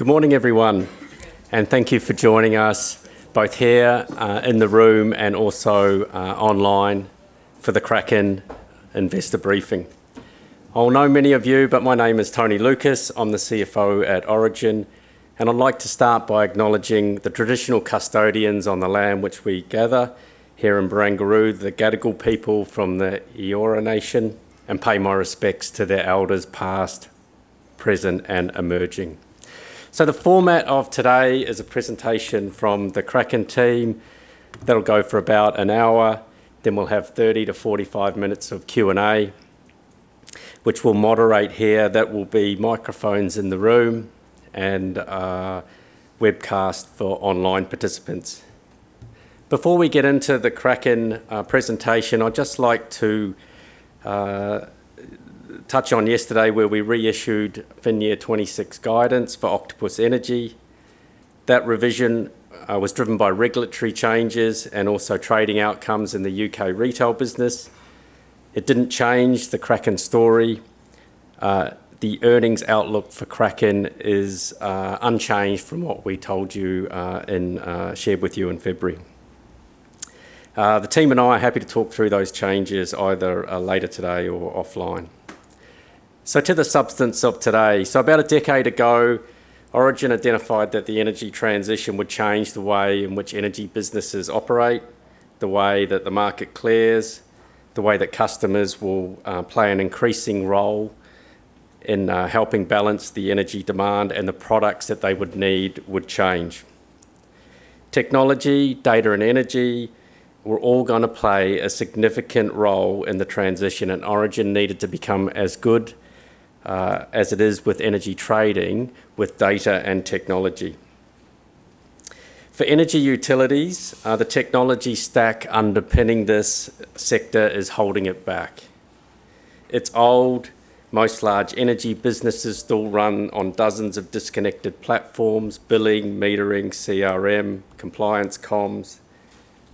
Good morning, everyone, and thank you for joining us both here in the room and also online for the Kraken Investor Briefing. I know many of you, but my name is Tony Lucas. I'm the CFO at Origin, and I'd like to start by acknowledging the traditional custodians on the land which we gather here in Barangaroo, the Gadigal people from the Eora Nation, and pay my respects to their elders past, present, and emerging. The format of today is a presentation from the Kraken team that'll go for about an hour. Then we'll have 30-45 minutes of Q&A which we'll moderate here. That will be microphones in the room and a webcast for online participants. Before we get into the Kraken presentation, I'd just like to touch on yesterday, where we reissued FY 2026 guidance for Octopus Energy. That revision was driven by regulatory changes and also trading outcomes in the U.K. retail business. It didn't change the Kraken story. The earnings outlook for Kraken is unchanged from what we told you and shared with you in February. The team and I are happy to talk through those changes either later today or offline. To the substance of today, about a decade ago, Origin identified that the energy transition would change the way in which energy businesses operate, the way that the market clears, the way that customers will play an increasing role in helping balance the energy demand, and the products that they would need would change. Technology, data and energy were all gonna play a significant role in the transition, and Origin needed to become as good as it is with energy trading with data and technology. For energy utilities, the technology stack underpinning this sector is holding it back. It's old. Most large energy businesses still run on dozens of disconnected platforms, billing, metering, CRM, compliance, comms,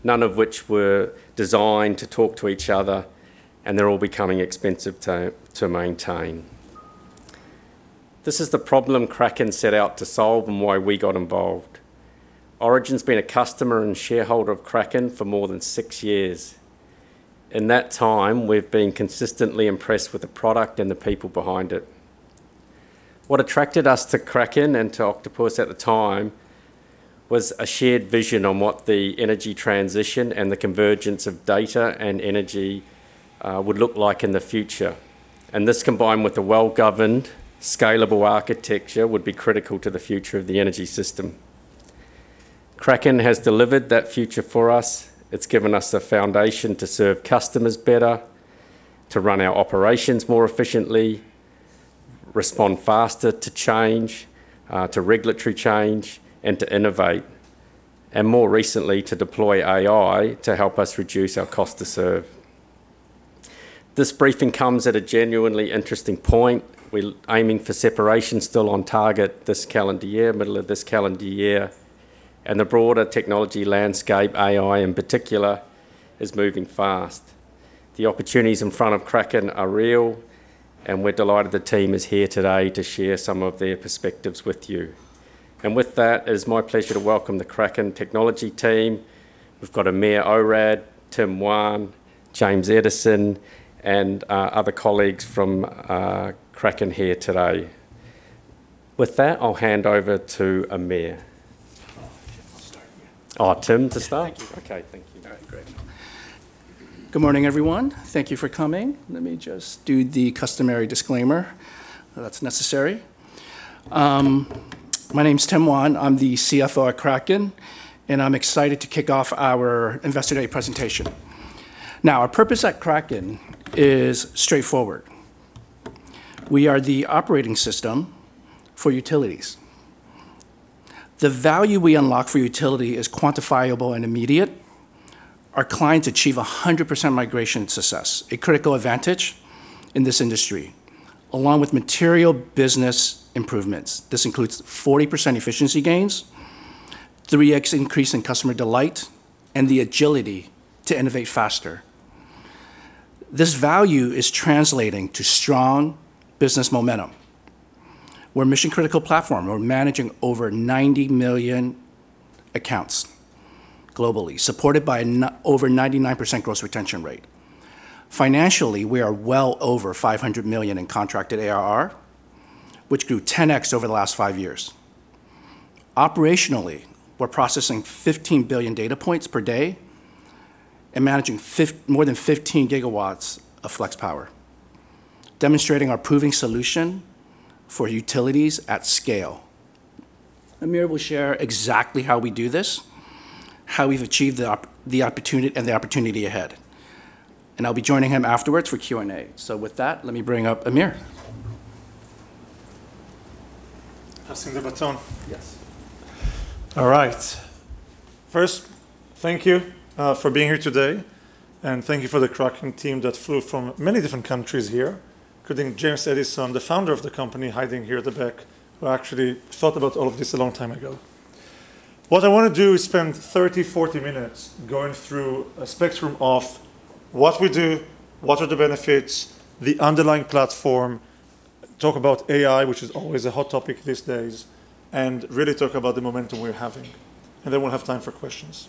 none of which were designed to talk to each other, and they're all becoming expensive to maintain. This is the problem Kraken set out to solve and why we got involved. Origin's been a customer and shareholder of Kraken for more than six years. In that time, we've been consistently impressed with the product and the people behind it. What attracted us to Kraken and to Octopus at the time was a shared vision on what the energy transition and the convergence of data and energy would look like in the future, and this combined with a well-governed, scalable architecture would be critical to the future of the energy system. Kraken has delivered that future for us. It's given us the foundation to serve customers better, to run our operations more efficiently, respond faster to change, to regulatory change, and to innovate, and more recently to deploy AI to help us reduce our cost to serve. This briefing comes at a genuinely interesting point. We're aiming for separation still on target this calendar year, middle of this calendar year, and the broader technology landscape, AI in particular, is moving fast. The opportunities in front of Kraken are real, and we're delighted the team is here today to share some of their perspectives with you. With that, it is my pleasure to welcome the Kraken technology team. We've got Amir Orad, Tim Wan, James Magill, and other colleagues from Kraken here today. With that, I'll hand over to Amir. I'll start. Oh, Tim, to start? Thank you. Okay. Thank you. No, great. Good morning, everyone. Thank you for coming. Let me just do the customary disclaimer that's necessary. My name's Tim Wan. I'm the CFO at Kraken, and I'm excited to kick off our Investor Day presentation. Now, our purpose at Kraken is straightforward. We are the operating system for utilities. The value we unlock for utility is quantifiable and immediate. Our clients achieve 100% migration success, a critical advantage in this industry, along with material business improvements. This includes 40% efficiency gains, 3x increase in customer delight, and the agility to innovate faster. This value is translating to strong business momentum. We're a mission-critical platform. We're managing over 90 million accounts globally, supported by over 99% gross retention rate. Financially, we are well over 500 million in contracted ARR, which grew 10x over the last five years. Operationally, we're processing 15 billion data points per day and managing more than 15 GW of flex power, demonstrating our proven solution for utilities at scale. Amir will share exactly how we do this, how we've achieved the opportunity, and the opportunity ahead, and I'll be joining him afterwards for Q&A. With that, let me bring up Amir. Passing the baton. Yes. All right. First, thank you for being here today, and thank you for the Kraken team that flew from many different countries here, including James Magill, the founder of the company, hiding here at the back, who actually thought about all of this a long time ago. What I wanna do is spend 30, 40 minutes going through a spectrum of what we do, what are the benefits, the underlying platform, talk about AI, which is always a hot topic these days, and really talk about the momentum we're having, and then we'll have time for questions.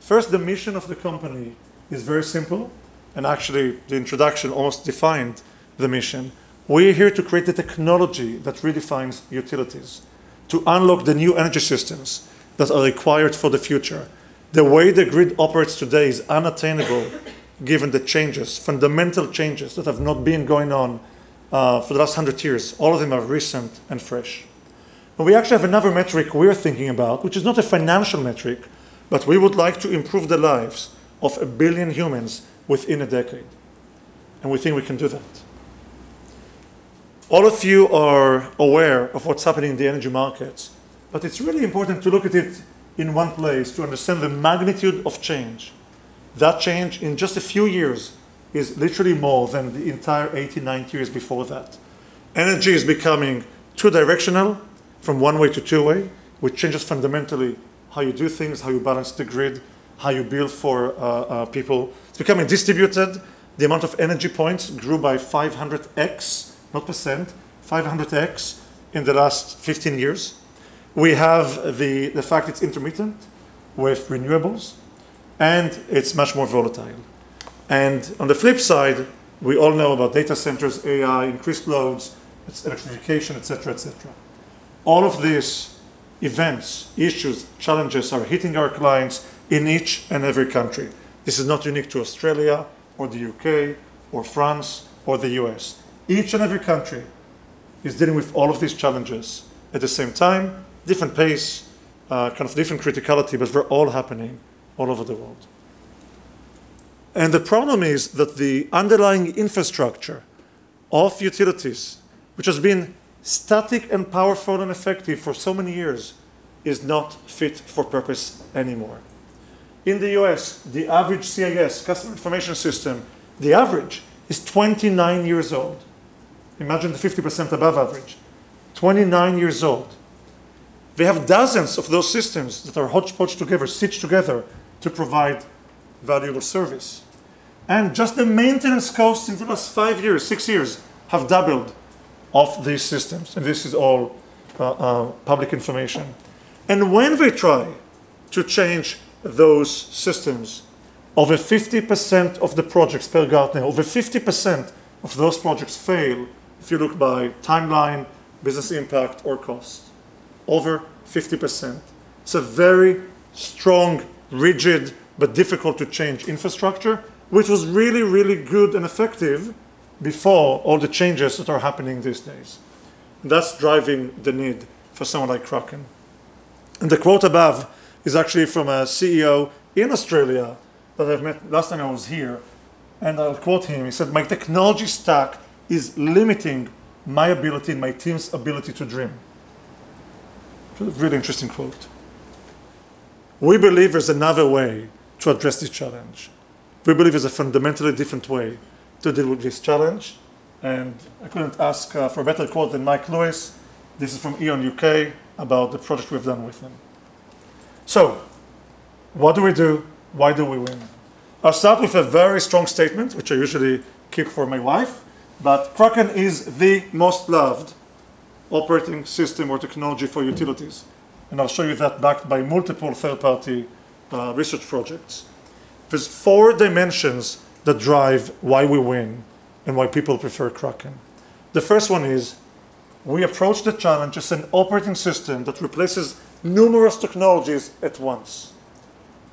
First, the mission of the company is very simple, and actually, the introduction almost defined the mission. We're here to create the technology that redefines utilities to unlock the new energy systems that are required for the future. The way the grid operates today is unattainable given the changes, fundamental changes, that have not been going on for the last 100 years. All of them are recent and fresh. We actually have another metric we're thinking about, which is not a financial metric, but we would like to improve the lives of a billion humans within a decade, and we think we can do that. All of you are aware of what's happening in the energy markets, but it's really important to look at it in one place to understand the magnitude of change. That change in just a few years is literally more than the entire 80-90 years before that. Energy is becoming two-directional, from one way to two way, which changes fundamentally how you do things, how you balance the grid, how you build for people. It's becoming distributed. The amount of energy points grew by 500x, not percent, 500x in the last 15 years. We have the fact it's intermittent with renewables, and it's much more volatile. On the flip side, we all know about data centers, AI, increased loads, it's electrification, et cetera, et cetera. All of these events, issues, challenges are hitting our clients in each and every country. This is not unique to Australia or the U.K. or France or the U.S. Each and every country is dealing with all of these challenges at the same time, different pace, kind of different criticality, but they're all happening all over the world. The problem is that the underlying infrastructure of utilities, which has been static and powerful and effective for so many years, is not fit for purpose anymore. In the U.S., the average CIS, Customer Information System, the average is 29 years old. Imagine the 50% above average, 29 years old. They have dozens of those systems that are hotchpotched together, stitched together to provide valuable service. Just the maintenance costs in the last five years, six years, have doubled of these systems, and this is all public information. When we try to change those systems, over 50% of the projects, per Gartner, over 50% of those projects fail if you look by timeline, business impact or cost, over 50%. It's a very strong, rigid, but difficult to change infrastructure, which was really, really good and effective before all the changes that are happening these days. That's driving the need for someone like Kraken. The quote above is actually from a CEO in Australia that I've met last time I was here, and I'll quote him. He said, "My technology stack is limiting my ability and my team's ability to dream." It's a really interesting quote. We believe there's another way to address this challenge. We believe there's a fundamentally different way to deal with this challenge, and I couldn't ask for a better quote than Michael Lewis. This is from E.ON UK about the project we've done with him. What do we do? Why do we win? I'll start with a very strong statement, which I usually keep for my wife, but Kraken is the most loved operating system or technology for utilities, and I'll show you that backed by multiple third-party research projects. There's four dimensions that drive why we win and why people prefer Kraken. The first one is we approach the challenge as an operating system that replaces numerous technologies at once.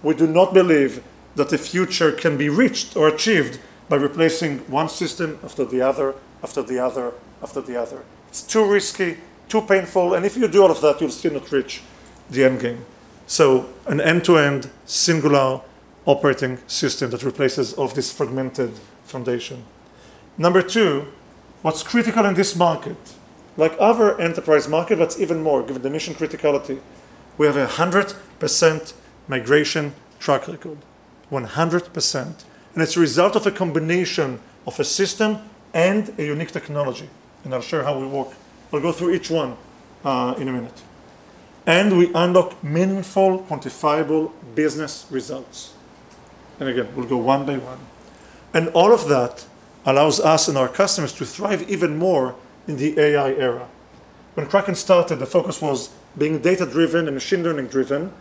We do not believe that the future can be reached or achieved by replacing one system after the other. It's too risky, too painful, and if you do all of that, you'll still not reach the end game. An end-to-end singular operating system that replaces all this fragmented foundation. Number two, what's critical in this market? Like other enterprise market, that's even more given the mission criticality, we have 100% migration track record, 100%, and it's a result of a combination of a system and a unique technology, and I'll share how we work. We'll go through each one in a minute. We unlock meaningful, quantifiable business results. Again, we'll go one by one. All of that allows us and our customers to thrive even more in the AI era. When Kraken started, the focus was being data-driven and machine learning-driven.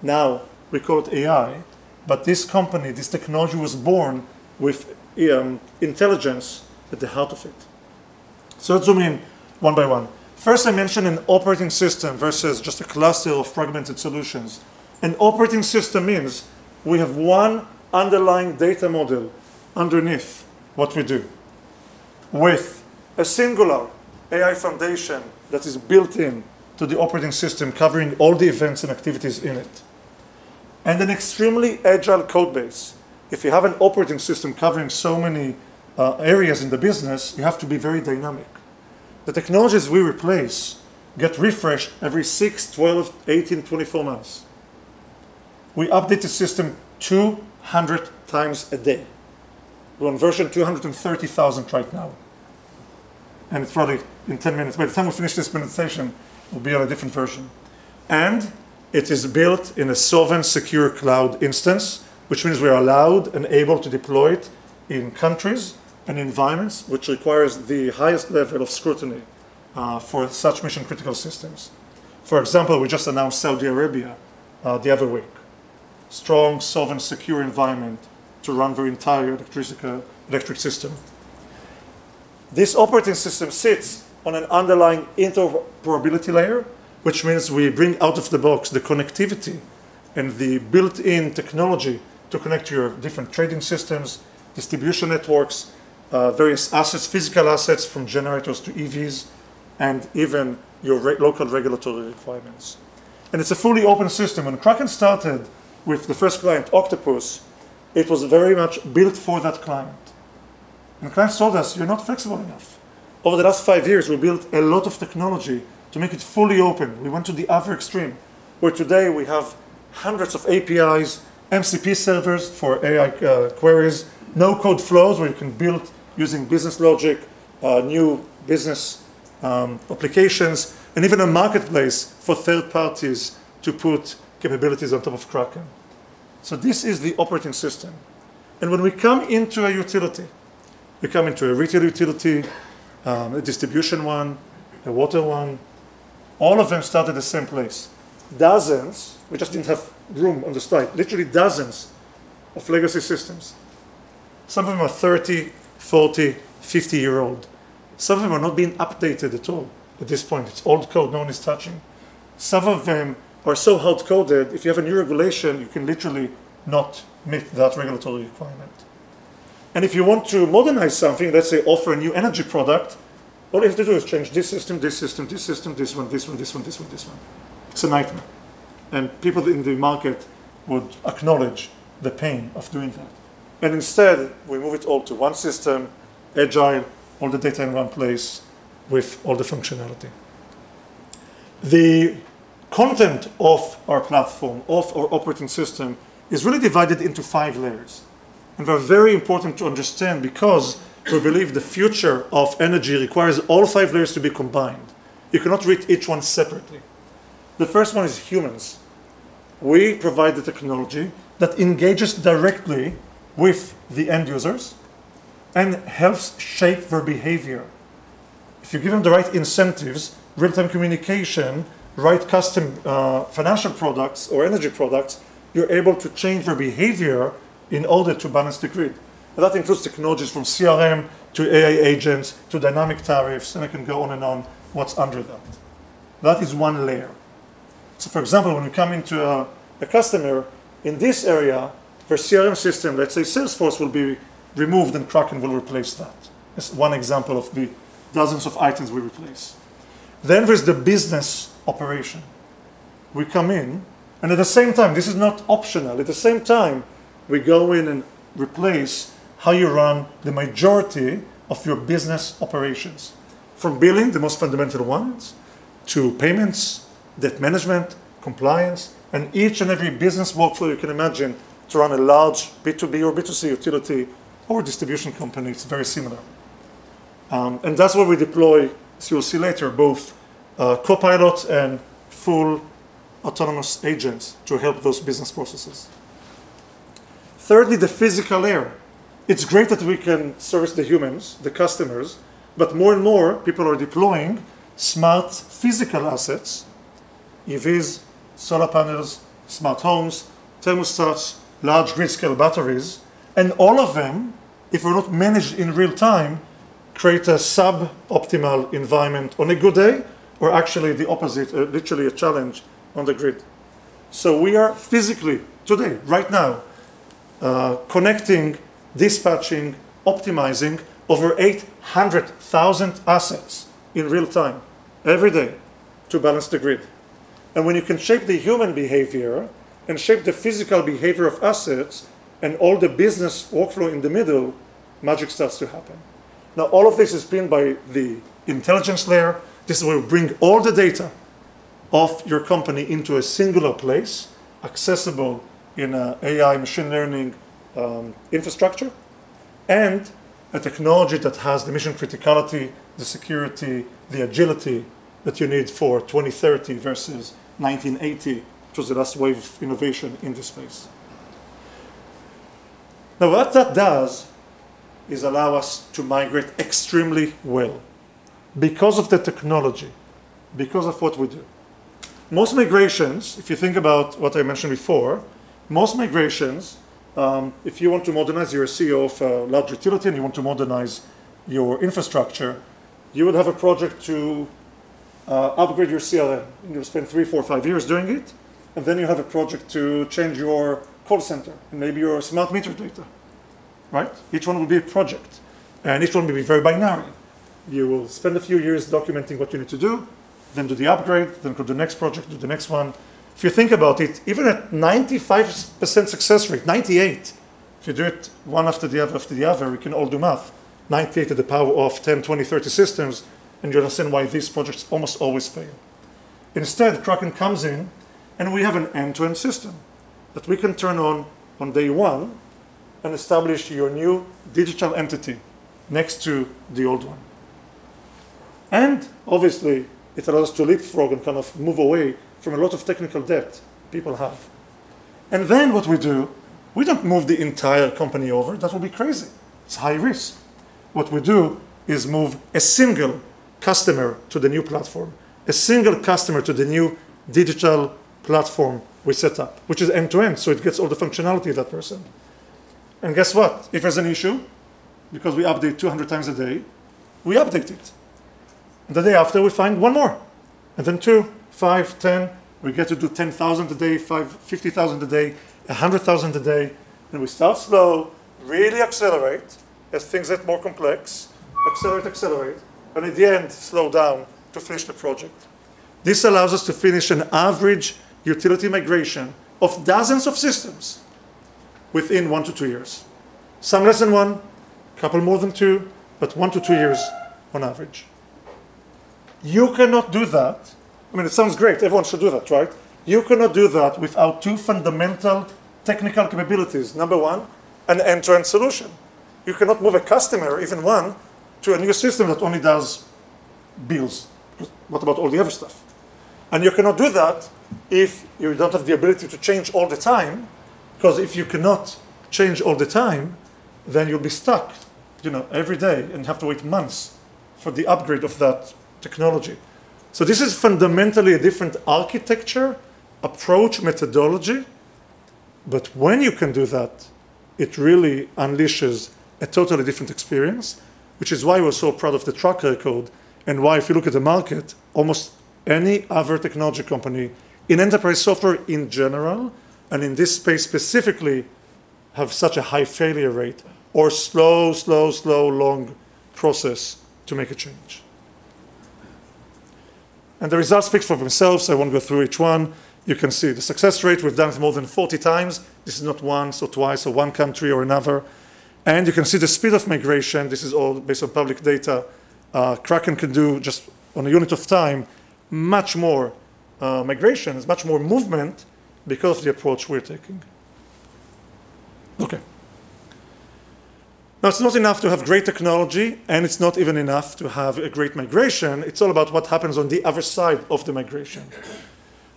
Now we call it AI, but this company, this technology, was born with intelligence at the heart of it. Let's zoom in one by one. First, I mentioned an operating system versus just a cluster of fragmented solutions. An operating system means we have one underlying data model underneath what we do, with a singular AI foundation that is built-in to the operating system, covering all the events and activities in it, and an extremely agile code base. If you have an operating system covering so many areas in the business, you have to be very dynamic. The technologies we replace get refreshed every six, 12, 18, 24 months. We update the system 200 times a day. We're on version 230,000th right now. It's probably in 10 minutes. By the time we finish this presentation, we'll be on a different version. It is built in a sovereign secure cloud instance, which means we are allowed and able to deploy it in countries and environments which requires the highest level of scrutiny for such mission-critical systems. For example, we just announced Saudi Arabia the other week. Strong, sovereign, secure environment to run their entire electric system. This operating system sits on an underlying interoperability layer, which means we bring out of the box the connectivity and the built-in technology to connect your different trading systems, distribution networks, various assets, physical assets from generators to EVs, and even your real-time local regulatory requirements. It's a fully open system. When Kraken started with the first client, Octopus, it was very much built for that client. The client told us, "You're not flexible enough." Over the last five years, we built a lot of technology to make it fully open. We went to the other extreme, where today we have hundreds of APIs, MCP servers for AI queries, no-code flows where you can build using business logic, new business applications, and even a marketplace for third parties to put capabilities on top of Kraken. This is the operating system. When we come into a utility, we come into a retail utility, a distribution one, a water one, all of them start at the same place, dozens, we just didn't have room on the slide, literally dozens of legacy systems. Some of them are 30, 40, 50-year-old. Some of them are not being updated at all at this point. It's old code, no one is touching. Some of them are so hard-coded, if you have a new regulation, you can literally not meet that regulatory requirement. If you want to modernize something, let's say offer a new energy product, all you have to do is change this system, this system, this system, this one, this one, this one, this one, this one. It's a nightmare. People in the market would acknowledge the pain of doing that. Instead, we move it all to one system, agile, all the data in one place with all the functionality. The content of our platform, of our operating system is really divided into five layers. They're very important to understand because we believe the future of energy requires all five layers to be combined. You cannot read each one separately. The first one is humans. We provide the technology that engages directly with the end users and helps shape their behavior. If you give them the right incentives, real-time communication, right custom, financial products or energy products, you're able to change their behavior in order to balance the grid. That includes technologies from CRM to AI agents to dynamic tariffs, and I can go on and on what's under that. That is one layer. For example, when you come into a customer in this area, their CRM system, let's say Salesforce, will be removed and Kraken will replace that. That's one example of the dozens of items we replace. Then there's the business operation. We come in, and at the same time, this is not optional, at the same time, we go in and replace how you run the majority of your business operations. From billing, the most fundamental ones, to payments, debt management, compliance, and each and every business workflow you can imagine to run a large B2B or B2C utility or distribution company, it's very similar. That's where we deploy, as you'll see later, both copilots and full autonomous agents to help those business processes. Thirdly, the physical layer. It's great that we can service the humans, the customers, but more and more people are deploying smart physical assets, EVs, solar panels, smart homes, thermostats, large grid-scale batteries. All of them, if they're not managed in real-time, create a sub-optimal environment on a good day or actually the opposite, literally a challenge on the grid. We are physically today, right now, connecting, dispatching, optimizing over 800,000 assets in real-time every day to balance the grid. When you can shape the human behavior and shape the physical behavior of assets and all the business workflow in the middle, magic starts to happen. Now, all of this is pinned by the intelligence layer. This will bring all the data of your company into a singular place, accessible in a AI machine learning infrastructure, and a technology that has the mission criticality, the security, the agility that you need for 2030 versus 1980, which was the last wave of innovation in this space. Now, what that does is allow us to migrate extremely well because of the technology, because of what we do. Most migrations, if you think about what I mentioned before, if you want to modernize, you're a CEO of a large utility, and you want to modernize your infrastructure, you would have a project to upgrade your CRM, and you'll spend three, four, five years doing it, and then you have a project to change your call center and maybe your smart meter data, right? Each one will be a project, and each one will be very binary. You will spend a few years documenting what you need to do, then do the upgrade, then go do the next project, do the next one. If you think about it, even at 95% success rate, 98%, if you do it one after the other, after the other, we can all do math, 98% to the power of 10, 20, 30 systems, and you understand why these projects almost always fail. Instead, Kraken comes in, and we have an end-to-end system that we can turn on on day one and establish your new digital entity next to the old one. Obviously, it allows us to leapfrog and kind of move away from a lot of technical debt people have. Then what we do, we don't move the entire company over. That will be crazy. It's high risk. What we do is move a single customer to the new platform, a single customer to the new digital platform we set up, which is end-to-end, so it gets all the functionality of that person. Guess what? If there's an issue, because we update 200 times a day, we update it. The day after, we find one more. Then two, five, 10, we get to do 10,000 a day, 50,000 a day, 100,000 a day. We start slow, really accelerate as things get more complex, accelerate, and at the end, slow down to finish the project. This allows us to finish an average utility migration of dozens of systems within 1-2 years. Some less than one, couple more than two, but 1-2 years on average. You cannot do that, I mean, it sounds great. Everyone should do that, right? You cannot do that without two fundamental technical capabilities. Number one, an end-to-end solution. You cannot move a customer, even one, to a new system that only does bills. What about all the other stuff? You cannot do that if you don't have the ability to change all the time, 'cause if you cannot change all the time, then you'll be stuck, you know, every day and have to wait months for the upgrade of that technology. This is fundamentally a different architecture, approach, methodology. When you can do that, it really unleashes a totally different experience, which is why we're so proud of the track record and why if you look at the market, almost any other technology company in enterprise software in general and in this space specifically have such a high failure rate or slow, slow, long process to make a change. The results speak for themselves. I won't go through each one. You can see the success rate. We've done it more than 40 times. This is not once or twice or one country or another. You can see the speed of migration. This is all based on public data. Kraken can do just on a unit of time, much more, migration. There's much more movement because of the approach we're taking. Okay. Now, it's not enough to have great technology, and it's not even enough to have a great migration. It's all about what happens on the other side of the migration.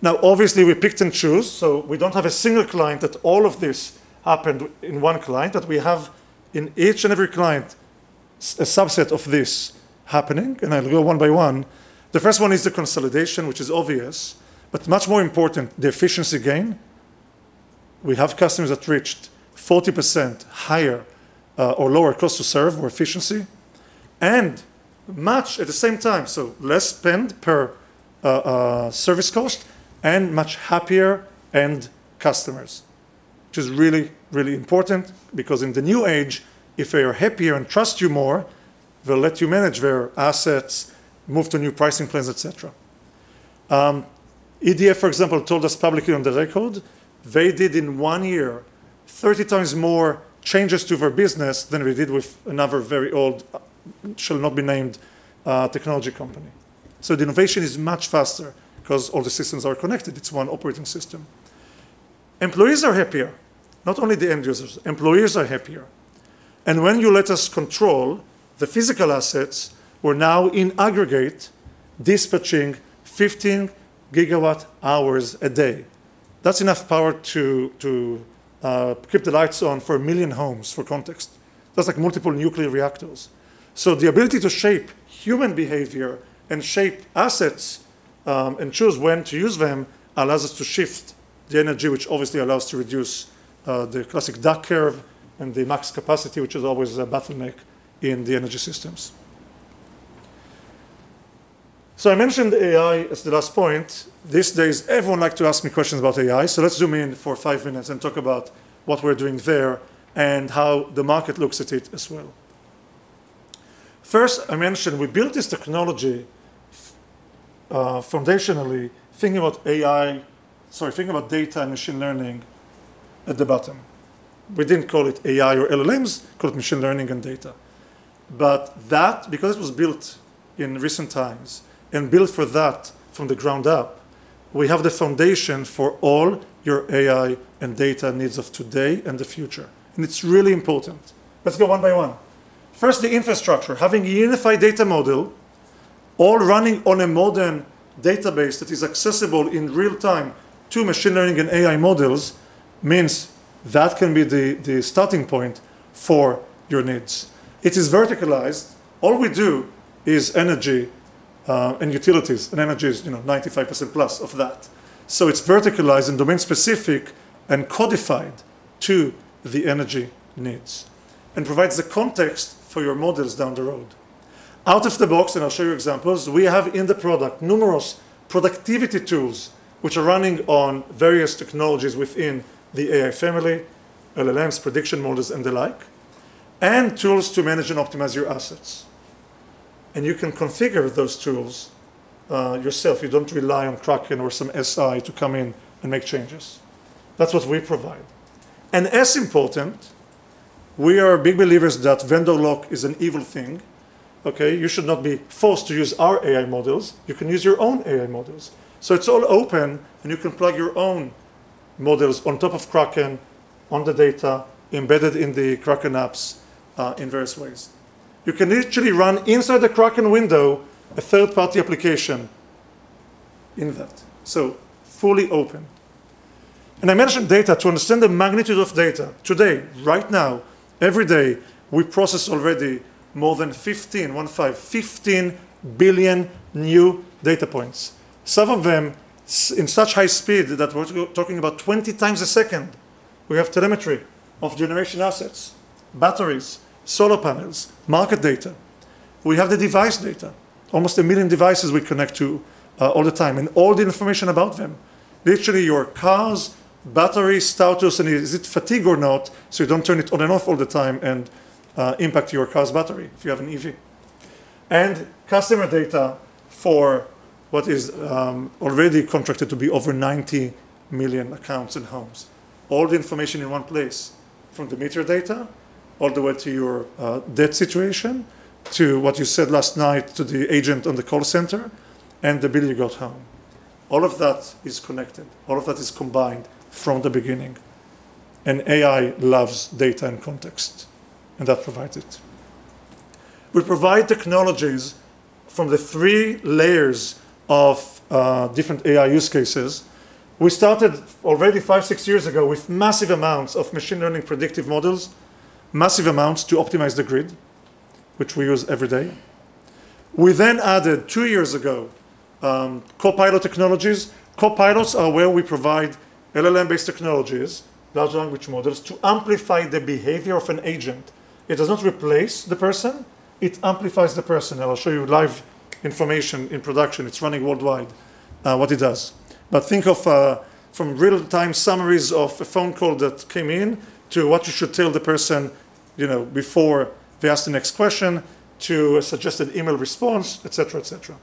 Now, obviously, we picked and choose, so we don't have a single client that all of this happened within one client, that we have in each and every client a subset of this happening, and I'll go one by one. The first one is the consolidation, which is obvious, but much more important, the efficiency gain. We have customers that reached 40% higher or lower cost to serve, more efficiency, and much at the same time, so less spend per service cost and much happier end customers, which is really important because in the new age, if they are happier and trust you more, they'll let you manage their assets, move to new pricing plans, et cetera. EDF, for example, told us publicly on the record they did in one year 30 times more changes to their business than we did with another very old shall not be named technology company. The innovation is much faster 'cause all the systems are connected. It's one operating system. Employees are happier, not only the end users. Employees are happier. When you let us control the physical assets, we're now in aggregate dispatching 15 GWh a day. That's enough power to keep the lights on for a million homes for context. That's like multiple nuclear reactors. The ability to shape human behavior and shape assets and choose when to use them allows us to shift the energy, which obviously allows to reduce the classic duck curve and the max capacity, which is always a bottleneck in the energy systems. I mentioned AI as the last point. These days, everyone like to ask me questions about AI, so let's zoom in for five minutes and talk about what we're doing there and how the market looks at it as well. First, I mentioned we built this technology foundationally thinking about data and machine learning at the bottom. We didn't call it AI or LLMs, we called it machine learning and data. That, because it was built in recent times and built for that from the ground up, we have the foundation for all your AI and data needs of today and the future, and it's really important. Let's go one by one. First, the infrastructure. Having a unified data model all running on a modern database that is accessible in real-time to machine learning and AI models means that can be the starting point for your needs. It is verticalized. All we do is energy, and utilities, and energy is, you know, 95%+ of that. It's verticalized and domain specific and codified to the energy needs and provides the context for your models down the road. Out of the box, and I'll show you examples, we have in the product numerous productivity tools which are running on various technologies within the AI family, LLMs, prediction models, and the like, and tools to manage and optimize your assets. You can configure those tools yourself. You don't rely on Kraken or some SI to come in and make changes. That's what we provide. As important, we are big believers that vendor lock is an evil thing, okay? You should not be forced to use our AI models. You can use your own AI models. It's all open, and you can plug your own models on top of Kraken on the data embedded in the Kraken apps in various ways. You can literally run inside the Kraken window a third-party application in that. Fully open. I mentioned data. To understand the magnitude of data, today, right now, every day, we process already more than 15 billion new data points, some of them in such high speed that we're talking about 20 times a second. We have telemetry of generation assets, batteries, solar panels, market data. We have the device data, almost 1 million devices we connect to all the time, and all the information about them. Literally, your car's battery status and is it fatigue or not, so you don't turn it on and off all the time and impact your car's battery if you have an EV. Customer data for what is already contracted to be over 90 million accounts and homes. All the information in one place from the meter data all the way to your debt situation, to what you said last night to the agent on the call center and the bill you got home. All of that is connected. All of that is combined from the beginning. AI loves data and context, and that provides it. We provide technologies from the three layers of different AI use cases. We started already five, six years ago with massive amounts of machine learning predictive models, massive amounts to optimize the grid, which we use every day. We then added two years ago copilot technologies. Copilots are where we provide LLM-based technologies, large language models, to amplify the behavior of an agent. It does not replace the person, it amplifies the person. I'll show you live information in production. It's running worldwide, what it does. Think of from real-time summaries of a phone call that came in to what you should tell the person, you know, before they ask the next question, to a suggested email response, et cetera, et cetera.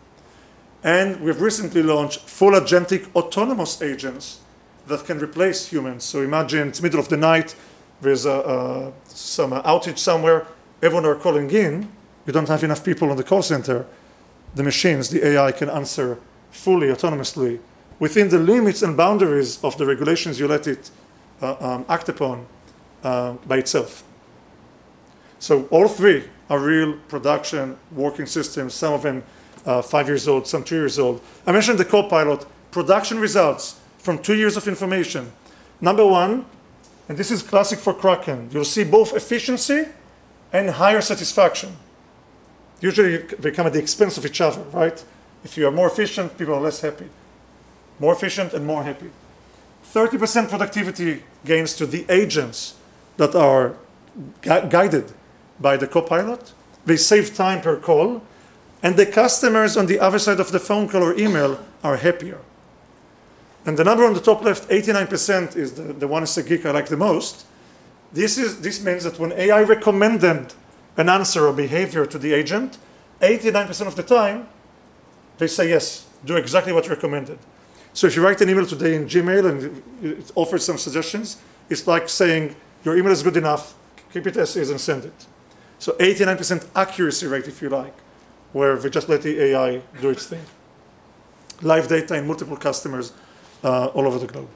We've recently launched full agentic autonomous agents that can replace humans. Imagine it's middle of the night, there's some outage somewhere, everyone are calling in, you don't have enough people on the call center. The machines, the AI can answer fully autonomously within the limits and boundaries of the regulations you let it act upon by itself. All three are real production working systems, some of them five years old, some two years old. I mentioned the copilot production results from two years of information. Number one, and this is classic for Kraken, you'll see both efficiency and higher satisfaction. Usually, they come at the expense of each other, right? If you are more efficient, people are less happy. More efficient and more happy. 30% productivity gains to the agents that are guided by the copilot. They save time per call, and the customers on the other side of the phone call or email are happier. The number on the top left, 89%, is the one as a geek I like the most. This means that when AI recommended an answer or behavior to the agent, 89% of the time, they say yes, do exactly what's recommended. If you write an email today in Gmail and it offers some suggestions, it's like saying, "Your email is good enough. Keep it as is and send it." 89% accuracy rate, if you like, where we just let the AI do its thing. Live data in multiple customers all over the globe.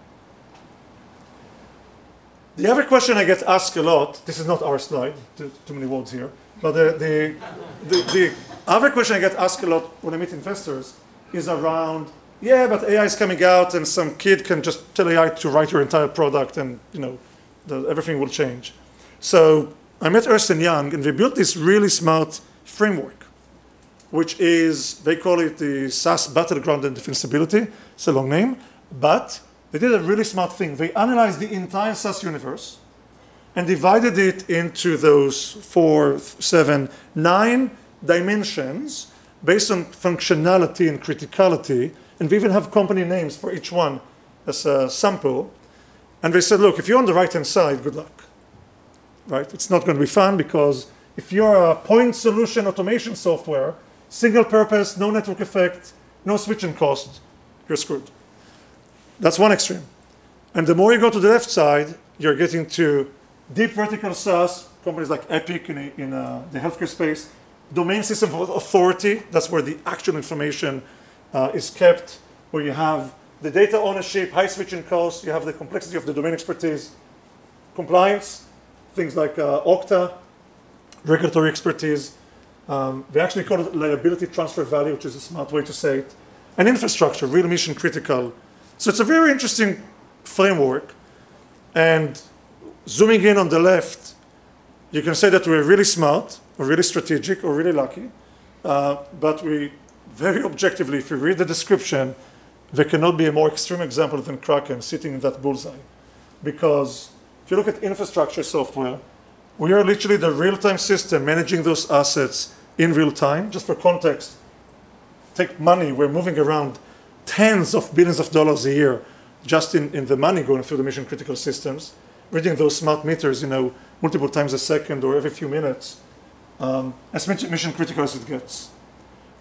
The other question I get asked a lot. This is not our slide, too many words here. The other question I get asked a lot when I meet investors is around, "Yeah, but AI is coming out, and some kid can just tell AI to write your entire product, and, you know, everything will change." I met Ernst & Young, and they built this really smart framework, which is, they call it the SaaS Battleground Indefensibility. It's a long name, but they did a really smart thing. They analyzed the entire SaaS universe and divided it into those four, seven, nine dimensions based on functionality and criticality, and we even have company names for each one as a sample. They said, "Look, if you're on the right-hand side, good luck." Right? It's not gonna be fun because if you're a point solution automation software, single purpose, no network effect, no switching cost, you're screwed. That's one extreme. The more you go to the left side, you're getting to deep vertical SaaS, companies like Epic in the healthcare space. Domain system authority, that's where the actual information is kept, where you have the data ownership, high switching cost, you have the complexity of the domain expertise. Compliance, things like Okta, regulatory expertise. They actually call it liability transfer value, which is a smart way to say it. Infrastructure, real mission critical. It's a very interesting framework. Zooming in on the left, you can say that we're really smart or really strategic or really lucky. Very objectively, if you read the description, there cannot be a more extreme example than Kraken sitting in that bullseye. Because if you look at infrastructure software, we are literally the real-time system managing those assets in real time. Just for context, take money. We're moving around tens of billions of dollars a year just in the money going through the mission-critical systems, reading those smart meters, multiple times a second or every few minutes. As mission critical as it gets.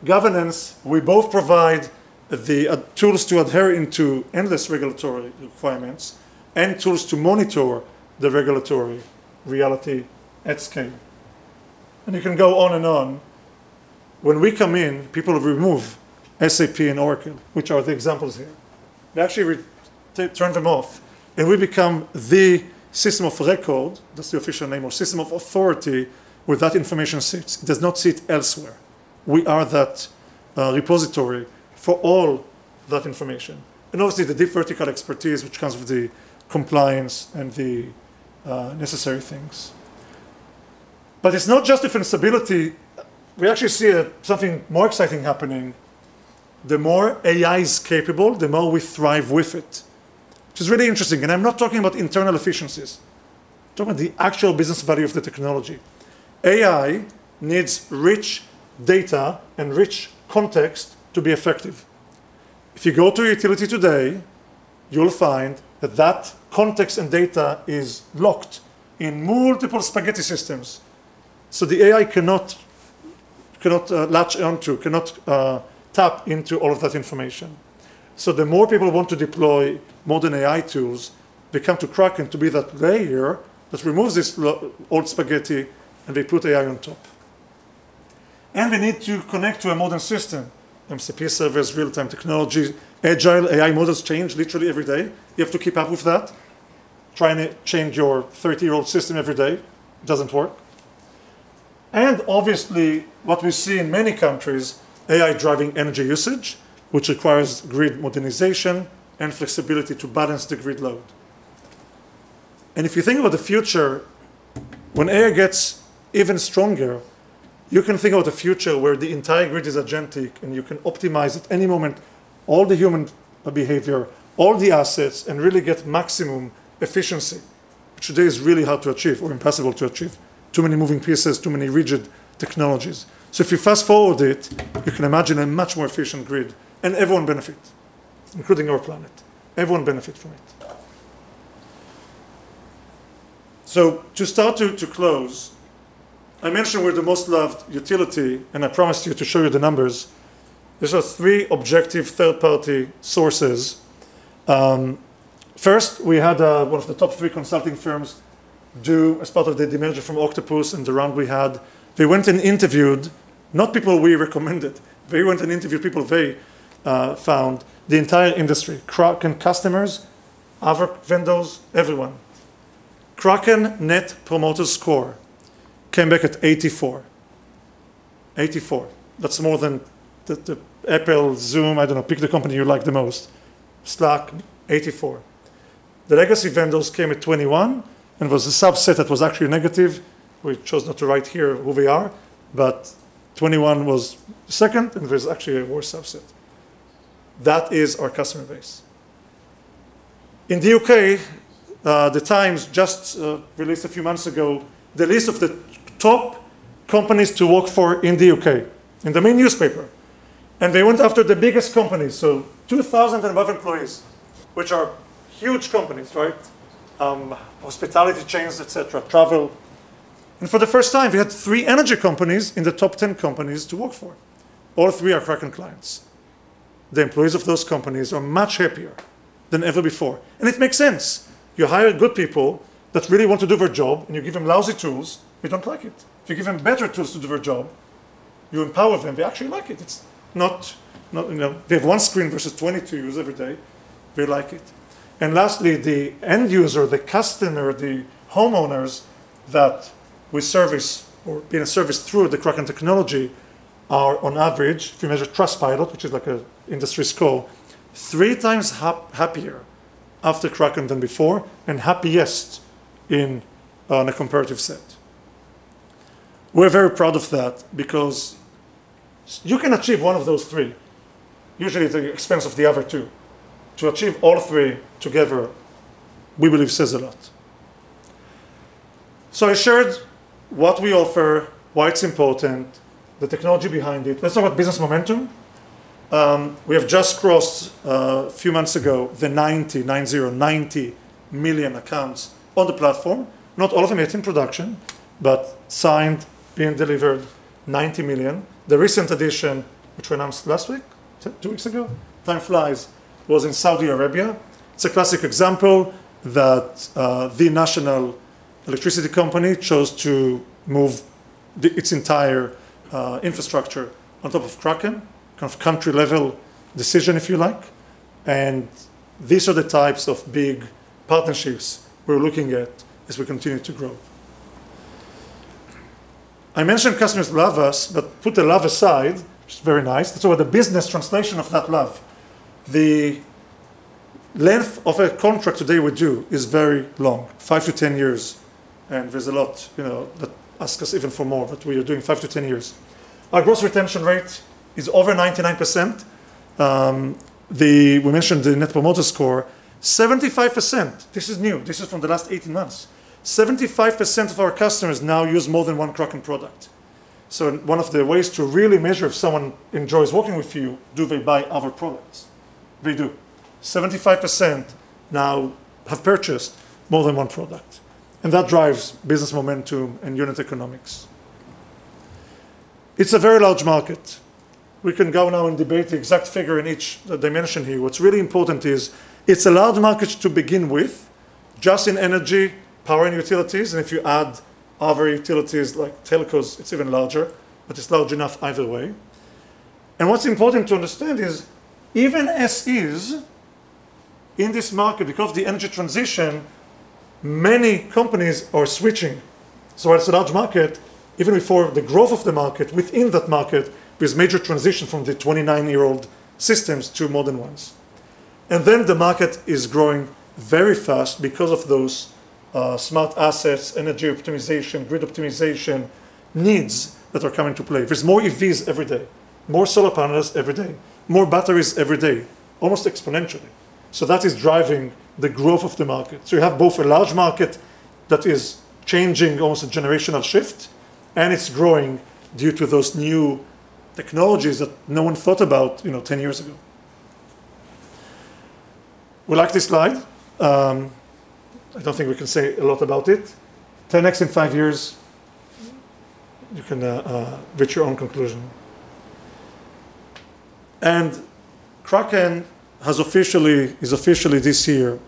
Governance, we both provide the tools to adhering to endless regulatory requirements and tools to monitor the regulatory reality at scale. You can go on and on. When we come in, people remove SAP and Oracle, which are the examples here. They actually turn them off, and we become the system of record, that's the official name, or system of authority where that information sits. It does not sit elsewhere. We are that repository for all that information, and obviously the deep vertical expertise which comes with the compliance and the necessary things. But it's not just defensibility. We actually see something more exciting happening. The more AI is capable, the more we thrive with it, which is really interesting. I'm not talking about internal efficiencies. I'm talking about the actual business value of the technology. AI needs rich data and rich context to be effective. If you go to a utility today, you'll find that that context and data is locked in multiple spaghetti systems, so the AI cannot tap into all of that information. The more people want to deploy modern AI tools, they come to Kraken to be that layer that removes this old spaghetti, and they put AI on top. They need to connect to a modern system, MCP service, real-time technology. Agile AI models change literally every day. You have to keep up with that. Try and change your 30-year-old system every day, doesn't work. Obviously, what we see in many countries, AI driving energy usage, which requires grid modernization and flexibility to balance the grid load. If you think about the future, when AI gets even stronger, you can think about a future where the entire grid is agentic, and you can optimize at any moment all the human behavior, all the assets, and really get maximum efficiency, which today is really hard to achieve or impossible to achieve. Too many moving pieces, too many rigid technologies. If you fast-forward it, you can imagine a much more efficient grid, and everyone benefits, including our planet. Everyone benefits from it. To close, I mentioned we're the most loved utility, and I promised you to show you the numbers. These are three objective third-party sources. First, we had one of the top three consulting firms do, as part of the demerger from Octopus and the round we had. They went and interviewed not people we recommended. They went and interviewed people they found, the entire industry, Kraken customers, other vendors, everyone. Kraken Net Promoter Score came back at 84. That's more than the Apple, Zoom, I don't know, pick the company you like the most. Slack, 84. The legacy vendors came at 21, and it was a subset that was actually negative. We chose not to write here who they are, but 21 was second, and there's actually a worse subset. That is our customer base. In the U.K., The Times just released a few months ago the list of the top companies to work for in the U.K., in the main newspaper. They went after the biggest companies, so 2,000 and above employees, which are huge companies, right? Hospitality chains, et cetera, travel. For the first time, we had three energy companies in the top 10 companies to work for. All three are Kraken clients. The employees of those companies are much happier than ever before, and it makes sense. You hire good people that really want to do their job, and you give them lousy tools, they don't like it. If you give them better tools to do their job, you empower them, they actually like it. It's not, you know, they have one screen versus 20 to use every day, they like it. Lastly, the end user, the customer, the homeowners that we service or being serviced through the Kraken technology are on average, if you measure Trustpilot, which is like an industry score, three times happier after Kraken than before, and happiest in, on a comparative set. We're very proud of that because you can achieve one of those three, usually at the expense of the other two. To achieve all three together, we believe says a lot. I shared what we offer, why it's important, the technology behind it. Let's talk about business momentum. We have just crossed a few months ago the 90 million accounts on the platform. Not all of them yet in production, but signed, being delivered, 90 million. The recent addition, which we announced last week, is it two weeks ago? Time flies, was in Saudi Arabia. It's a classic example that the national electricity company chose to move its entire infrastructure on top of Kraken, kind of country-level decision, if you like, and these are the types of big partnerships we're looking at as we continue to grow. I mentioned customers love us, but put the love aside, which is very nice. Let's talk about the business translation of that love. The length of a contract today with you is very long, 5-10 years, and there's a lot, you know, that ask us even for more, but we are doing 5-10 years. Our gross retention rate is over 99%. We mentioned the Net Promoter Score. 75%, this is new, this is from the last 18 months. 75% of our customers now use more than one Kraken product. One of the ways to really measure if someone enjoys working with you, do they buy other products? We do. 75% now have purchased more than one product, and that drives business momentum and unit economics. It's a very large market. We can go now and debate the exact figure in each dimension here. What's really important is it's a large market to begin with, just in energy, power, and utilities, and if you add other utilities like telcos, it's even larger, but it's large enough either way. What's important to understand is even as is, in this market, because of the energy transition, many companies are switching. It's a large market. Even before the growth of the market, within that market, there's major transition from the 29-year-old systems to modern ones. Then the market is growing very fast because of those smart assets, energy optimization, grid optimization needs that are coming to play. There's more EVs every day, more solar panels every day, more batteries every day, almost exponentially. That is driving the growth of the market. You have both a large market that is changing, almost a generational shift, and it's growing due to those new technologies that no one thought about, you know, 10 years ago. We like this slide. I don't think we can say a lot about it. 10x in five years, you can reach your own conclusion. Kraken is officially this year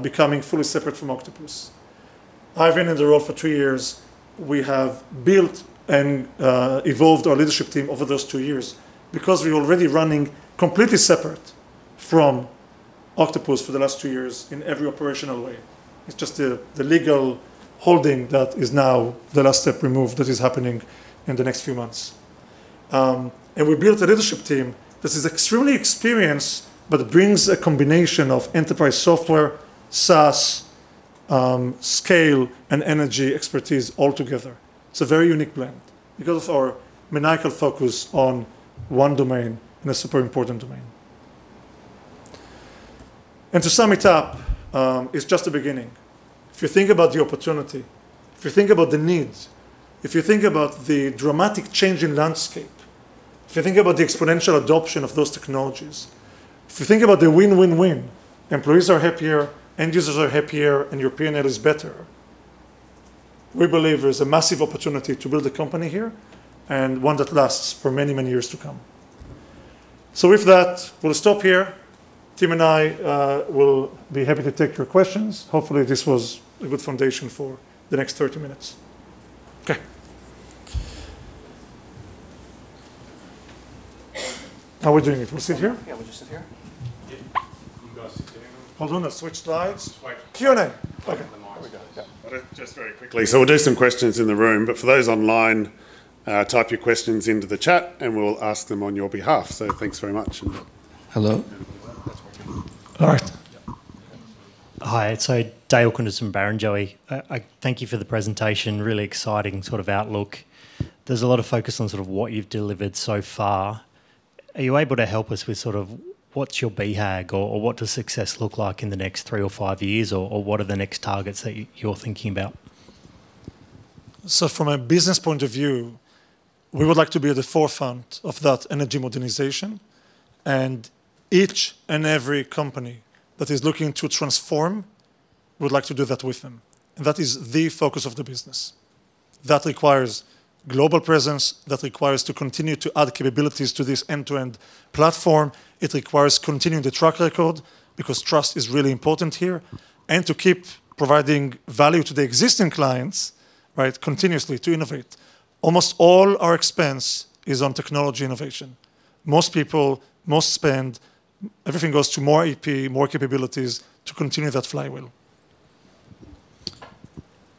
becoming fully separate from Octopus. I've been in the role for two years. We have built and evolved our leadership team over those two years because we're already running completely separate from Octopus for the last two years in every operational way. It's just the legal holding that is now the last step removed that is happening in the next few months. We built a leadership team that is extremely experienced but brings a combination of enterprise software, SaaS, scale, and energy expertise all together. It's a very unique blend because of our maniacal focus on one domain and a super important domain. To sum it up, it's just the beginning. If you think about the opportunity, if you think about the needs, if you think about the dramatic change in landscape, if you think about the exponential adoption of those technologies, if you think about the win, win, employees are happier, end users are happier, and your P&L is better, we believe there's a massive opportunity to build a company here and one that lasts for many, many years to come. With that, we'll stop here. Tim and I will be happy to take your questions. Hopefully, this was a good foundation for the next 30 minutes. Okay. How are we doing? We sit here? Yeah, we just sit here. Yeah. You guys sit anywhere. Hold on. I've switched slides. Swiped. Q&A. Okay. The mics. There we go. Yeah. Just very quickly. So we'll do some questions in the room, but for those online, type your questions into the chat, and we'll ask them on your behalf. Thanks very much. Hello. All right. Hi. It's Dale Koenders from Barrenjoey. I thank you for the presentation. Really exciting sort of outlook. There's a lot of focus on sort of what you've delivered so far. Are you able to help us with sort of what's your BHAG or what does success look like in the next three or five years or what are the next targets that you're thinking about? From a business point of view, we would like to be at the forefront of that energy modernization, and each and every company that is looking to transform, we'd like to do that with them, and that is the focus of the business. That requires global presence, that requires to continue to add capabilities to this end-to-end platform. It requires continuing the track record because trust is really important here and to keep providing value to the existing clients, right? Continuously to innovate. Almost all our expense is on technology innovation. Most people, most spend, everything goes to more API, more capabilities to continue that flywheel.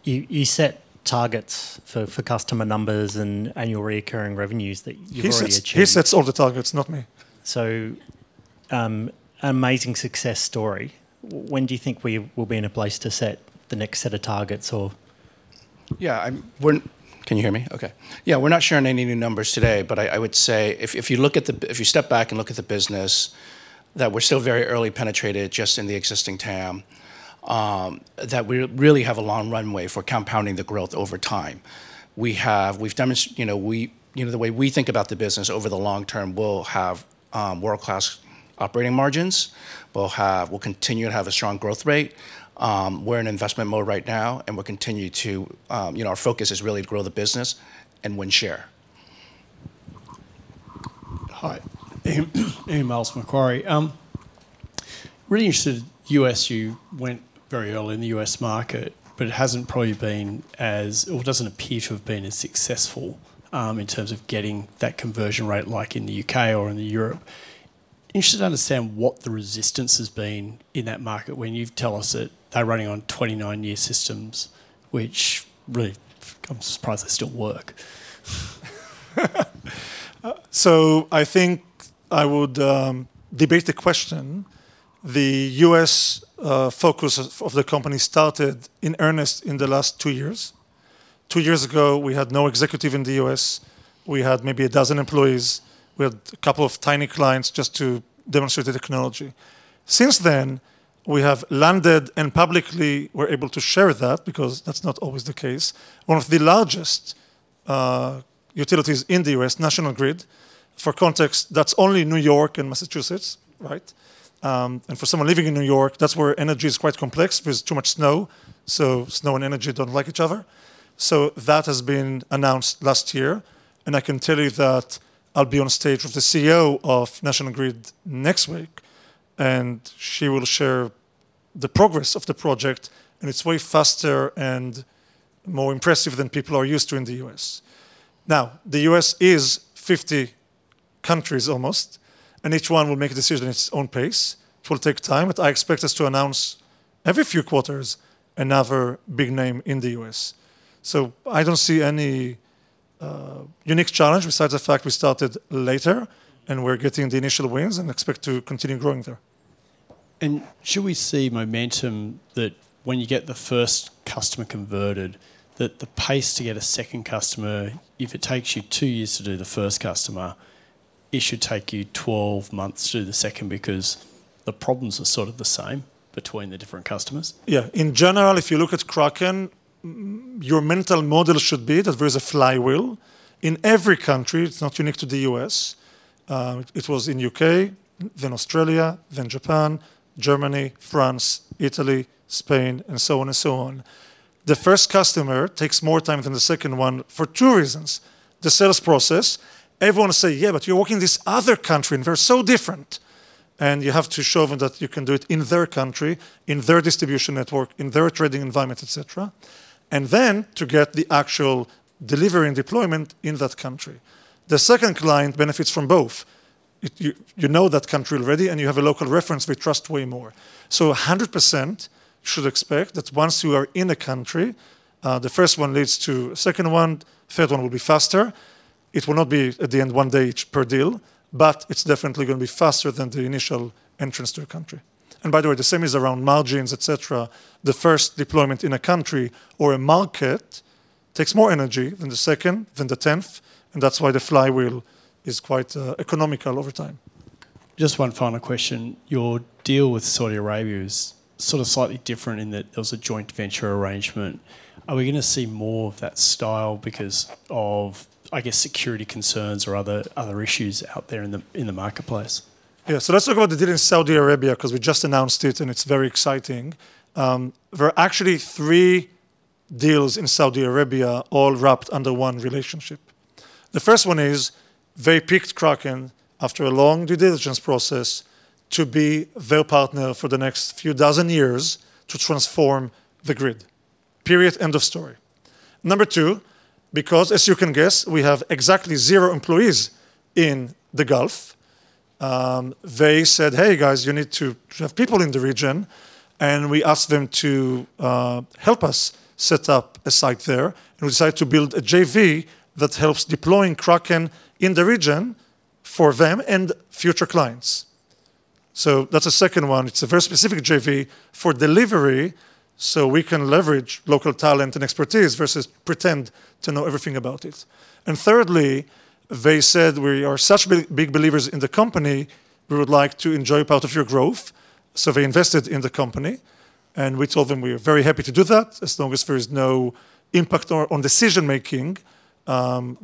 You set targets for customer numbers and annual recurring revenues that you've already achieved. He sets all the targets, not me. Amazing success story. When do you think we will be in a place to set the next set of targets or? Can you hear me? Okay. Yeah, we're not sharing any new numbers today. I would say if you step back and look at the business, that we're still very early in penetration just in the existing TAM, that we really have a long runway for compounding the growth over time. You know, we, you know, the way we think about the business over the long term, we'll have world-class operating margins. We'll continue to have a strong growth rate. We're in investment mode right now, and we'll continue to, you know, our focus is really to grow the business and win share. Hi. Amy Miles from Macquarie. Really interested in the U.S. You went very early in the U.S. market, but it hasn't probably been as successful, or doesn't appear to have been as successful in terms of getting that conversion rate like in the U.K. or in Europe. I'm interested to understand what the resistance has been in that market when you've told us that they're running on 29-year systems, which really, I'm surprised they still work. I think I would debate the question. The U.S. focus of the company started in earnest in the last two years. Two years ago, we had no executive in the U.S. We had maybe a dozen employees. We had a couple of tiny clients just to demonstrate the technology. Since then, we have landed and publicly we're able to share that because that's not always the case, one of the largest utilities in the U.S., National Grid. For context, that's only New York and Massachusetts, right? And for someone living in New York, that's where energy is quite complex because too much snow, so snow and energy don't like each other. That has been announced last year, and I can tell you that I'll be on stage with the CEO of National Grid next week, and she will share the progress of the project, and it's way faster and more impressive than people are used to in the U.S. Now, the U.S. is 50 countries almost, and each one will make a decision at its own pace. It will take time, but I expect us to announce every few quarters another big name in the U.S. I don't see any unique challenge besides the fact we started later, and we're getting the initial wins and expect to continue growing there. Should we see momentum that when you get the first customer converted, that the pace to get a second customer, if it takes you two years to do the first customer, it should take you 12 months to do the second because the problems are sort of the same between the different customers? Yeah. In general, if you look at Kraken, your mental model should be that there's a flywheel. In every country, it's not unique to the U.S., it was in U.K., then Australia, then Japan, Germany, France, Italy, Spain, and so on and so on. The first customer takes more time than the second one for two reasons. The sales process, everyone say, "Yeah, but you're working in this other country, and they're so different." You have to show them that you can do it in their country, in their distribution network, in their trading environment, et cetera, to get the actual delivery and deployment in that country. The second client benefits from both. You know that country already, and you have a local reference they trust way more. 100% should expect that once you are in a country, the first one leads to second one, third one will be faster. It will not be at the end one day each per deal, but it's definitely gonna be faster than the initial entrance to a country. By the way, the same is around margins, et cetera. The first deployment in a country or a market takes more energy than the second, than the 10th, and that's why the flywheel is quite economical over time. Just one final question. Your deal with Saudi Arabia is sort of slightly different in that it was a joint venture arrangement. Are we gonna see more of that style because of, I guess, security concerns or other issues out there in the marketplace? Yeah. Let's talk about the deal in Saudi Arabia 'cause we just announced it, and it's very exciting. There are actually three deals in Saudi Arabia all wrapped under one relationship. The first one is they picked Kraken after a long due diligence process to be their partner for the next few dozen years to transform the grid. Period, end of story. Number two, because as you can guess, we have exactly zero employees in the Gulf, they said, "Hey guys, you need to have people in the region." We asked them to help us set up a site there, and we decided to build a JV that helps deploying Kraken in the region for them and future clients. That's the second one. It's a very specific JV for delivery, so we can leverage local talent and expertise versus pretend to know everything about it. Thirdly, they said, "We are such big believers in the company, we would like to enjoy part of your growth." They invested in the company, and we told them we are very happy to do that. As long as there is no impact on decision-making,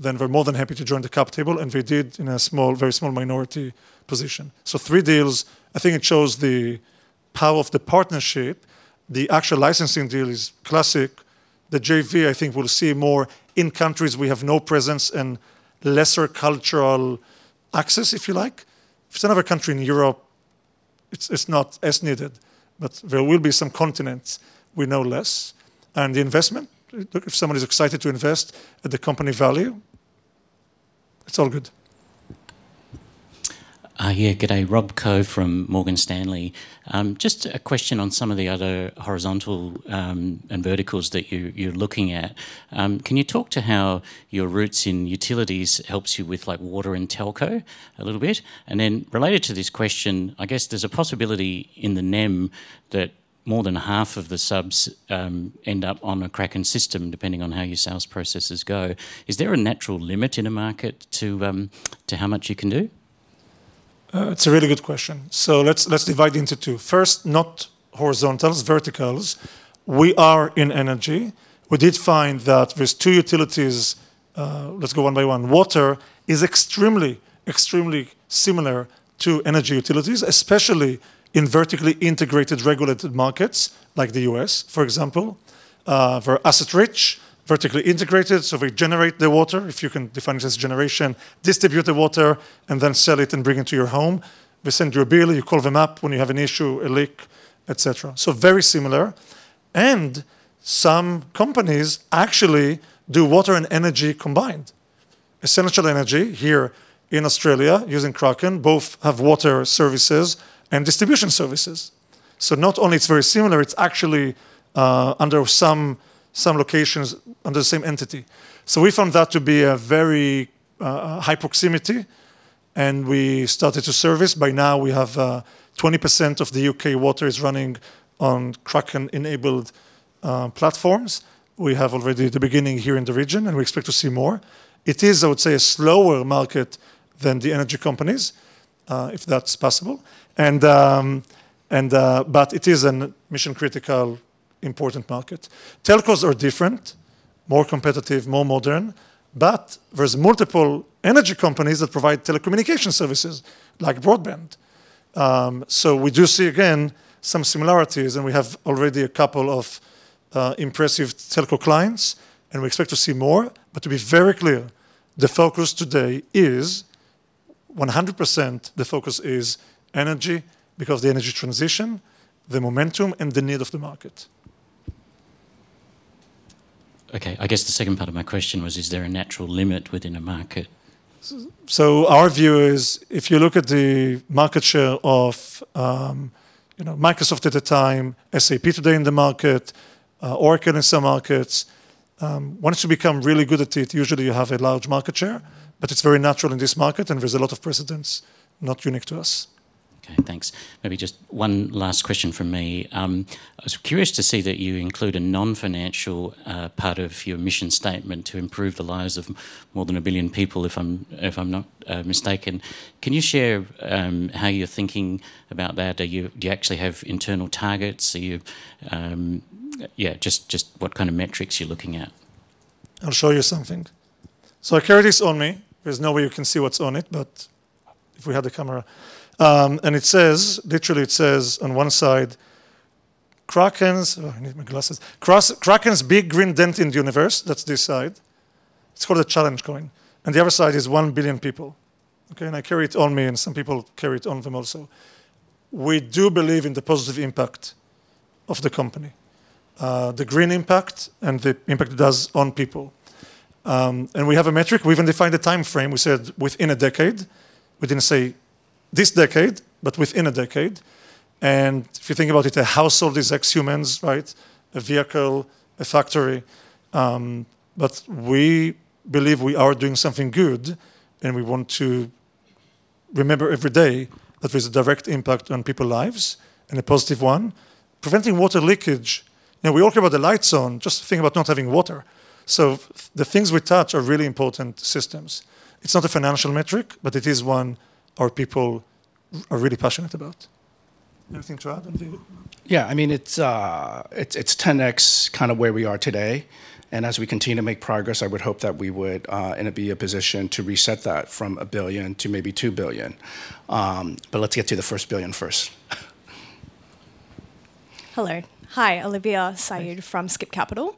then we're more than happy to join the cap table, and we did in a small, very small minority position. Three deals, I think it shows the power of the partnership. The actual licensing deal is classic. The JV I think we'll see more in countries we have no presence and lesser cultural access, if you like. If it's another country in Europe, it's not as needed. There will be some continents we know less. The investment, look, if someone is excited to invest at the company value, it's all good. Yeah, good day. Rob Koh from Morgan Stanley. Just a question on some of the other horizontal and verticals that you're looking at. Can you talk to how your roots in utilities helps you with like water and telco a little bit? Related to this question, I guess there's a possibility in the NEM that more than half of the subs end up on a Kraken system, depending on how your sales processes go. Is there a natural limit in a market to how much you can do? It's a really good question. Let's divide into two. First, not horizontals, verticals. We are in energy. We did find that with two utilities, let's go one by one. Water is extremely similar to energy utilities, especially in vertically integrated regulated markets like the U.S., for example. Very asset rich, vertically integrated, so we generate the water, if you can define it as generation, distribute the water, and then sell it and bring it to your home. They send you a bill, you call them up when you have an issue, a leak, et cetera. Very similar. Some companies actually do water and energy combined. Essential Energy here in Australia using Kraken both have water services and distribution services. Not only it's very similar, it's actually under some locations under the same entity. We found that to be a very high priority, and we started to service. By now we have 20% of the U.K. water running on Kraken-enabled platforms. We have already the beginning here in the region, and we expect to see more. It is, I would say, a slower market than the energy companies. If that's possible. It is a mission-critical important market. Telcos are different, more competitive, more modern, but there's multiple energy companies that provide telecommunication services like broadband. We do see again some similarities, and we have already a couple of impressive telco clients, and we expect to see more. To be very clear, the focus today is 100% energy because the energy transition, the momentum, and the need of the market. Okay. I guess the second part of my question was, is there a natural limit within a market? Our view is if you look at the market share of, you know, Microsoft at the time, SAP today in the market, Oracle in some markets, once you become really good at it, usually you have a large market share, but it's very natural in this market, and there's a lot of precedents not unique to us. Okay, thanks. Maybe just one last question from me. I was curious to see that you include a non-financial part of your mission statement to improve the lives of more than a billion people if I'm not mistaken. Can you share how you're thinking about that? Do you actually have internal targets? Yeah, just what kind of metrics you're looking at. I'll show you something. I carry this on me. There's no way you can see what's on it, but if we had the camera. It says, literally it says on one side, "Kraken's big green dent in the universe." That's this side. It's called a challenge coin. The other side is "1 billion people." Okay. I carry it on me, and some people carry it on them also. We do believe in the positive impact of the company, the green impact and the impact it has on people. We have a metric. We even defined the time frame. We said within a decade. We didn't say this decade, but within a decade. If you think about it, a household is say four humans, right? A vehicle, a factory, but we believe we are doing something good, and we want to remember every day that there's a direct impact on people's lives and a positive one. Preventing water leakage. You know, we all care about the lights on, just think about not having water. The things we touch are really important systems. It's not a financial metric, but it is one our people are really passionate about. Anything to add, Tim? Yeah, I mean, it's 10x kind of where we are today. As we continue to make progress, I would hope that we would be in a position to reset that from 1 billion to maybe 2 billion. But let's get to the first billion first. Hello. Hi, Olivia Sioud from Skip Capital.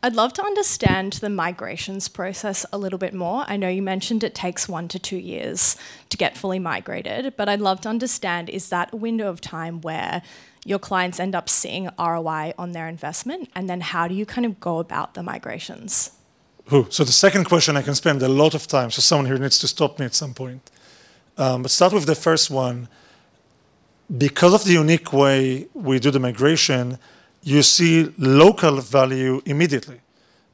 I'd love to understand the migration process a little bit more. I know you mentioned it takes 1-2 years to get fully migrated, but I'd love to understand, is that a window of time where your clients end up seeing ROI on their investment? Then how do you kind of go about the migrations? The second question, I can spend a lot of time, so someone here needs to stop me at some point. Start with the first one. Because of the unique way we do the migration, you see local value immediately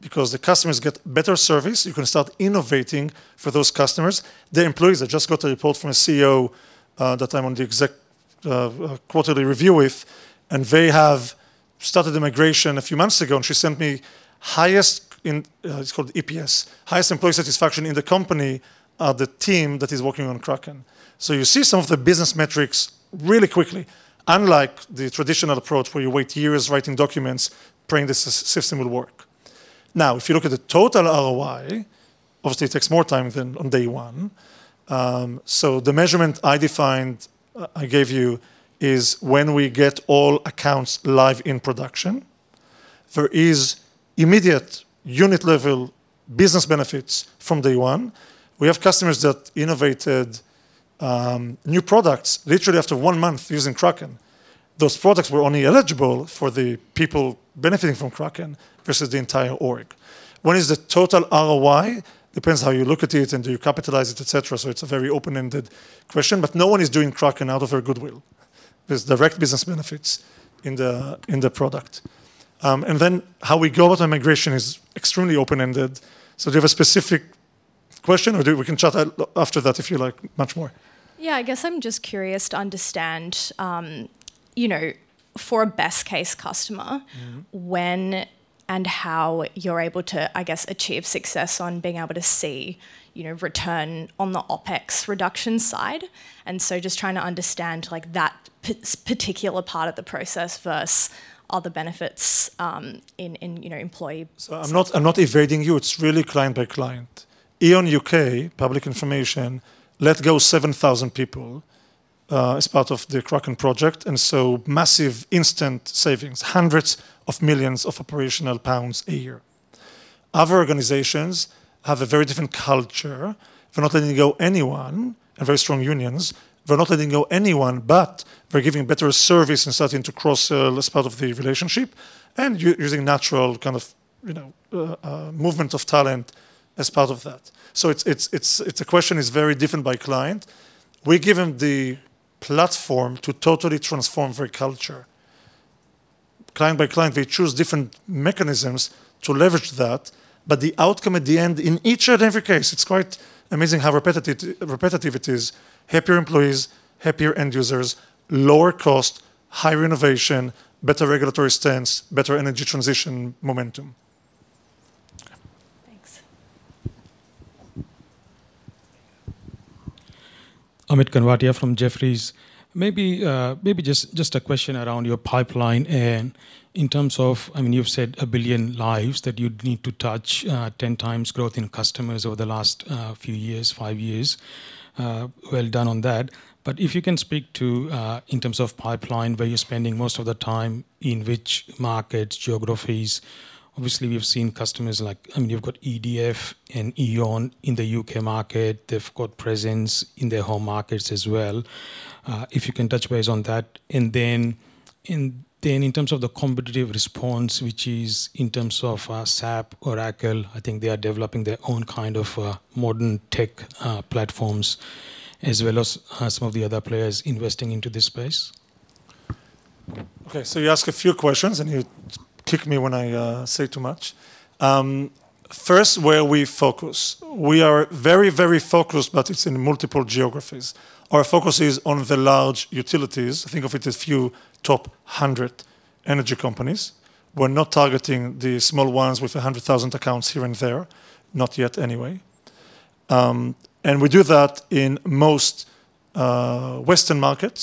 because the customers get better service. You can start innovating for those customers. The employees, I just got a report from a CEO that I'm on the exec quarterly review with, and they have started the migration a few months ago, and she sent me highest in, it's called eNPS, highest employee satisfaction in the company are the team that is working on Kraken. You see some of the business metrics really quickly, unlike the traditional approach where you wait years writing documents, praying the system will work. Now, if you look at the total ROI, obviously it takes more time than on day one. The measurement I defined, I gave you is when we get all accounts live in production, there is immediate unit-level business benefits from day one. We have customers that innovated new products literally after one month using Kraken. Those products were only eligible for the people benefiting from Kraken versus the entire org. What is the total ROI? Depends how you look at it and do you capitalize it, et cetera. It's a very open-ended question, but no one is doing Kraken out of their goodwill. There's direct business benefits in the product. How we go about the migration is extremely open-ended. Do you have a specific question, or we can chat after that if you like much more. Yeah, I guess I'm just curious to understand, you know, for a best case customer. Mm-hmm when and how you're able to, I guess, achieve success on being able to see, you know, return on the OpEx reduction side. Just trying to understand like that particular part of the process versus other benefits, in you know, employee- I'm not evading you. It's really client by client. E.ON UK, public information, let go 7,000 people as part of the Kraken project, massive instant savings, hundreds of millions of operational pounds a year. Other organizations have a very different culture. They're not letting go anyone and very strong unions. They're not letting go anyone, but they're giving better service and starting to cross-sell as part of the relationship and using natural kind of, you know, movement of talent as part of that. It's the question is very different by client. We're given the platform to totally transform their culture. Client by client, they choose different mechanisms to leverage that, but the outcome at the end in each and every case, it's quite amazing how repetitive it is, happier employees, happier end users, lower cost, higher innovation, better regulatory stance, better energy transition momentum. Thanks. Amit Kanwatia from Jefferies. Maybe just a question around your pipeline and in terms of I mean, you've said a billion lives that you'd need to touch 10 times growth in customers over the last few years, five years. Well done on that. If you can speak to in terms of pipeline, where you're spending most of the time, in which markets, geographies. Obviously, we've seen customers like, I mean, you've got EDF and E.ON in the U.K. market. They've got presence in their home markets as well. If you can touch base on that. Then in terms of the competitive response, which is in terms of SAP, Oracle, I think they are developing their own kind of modern tech platforms, as well as some of the other players investing into this space. Okay. You ask a few questions, and you kick me when I say too much. First, where we focus. We are very, very focused, but it's in multiple geographies. Our focus is on the large utilities. Think of it as few top hundred energy companies. We're not targeting the small ones with 100,000 accounts here and there. Not yet anyway. We do that in most Western markets.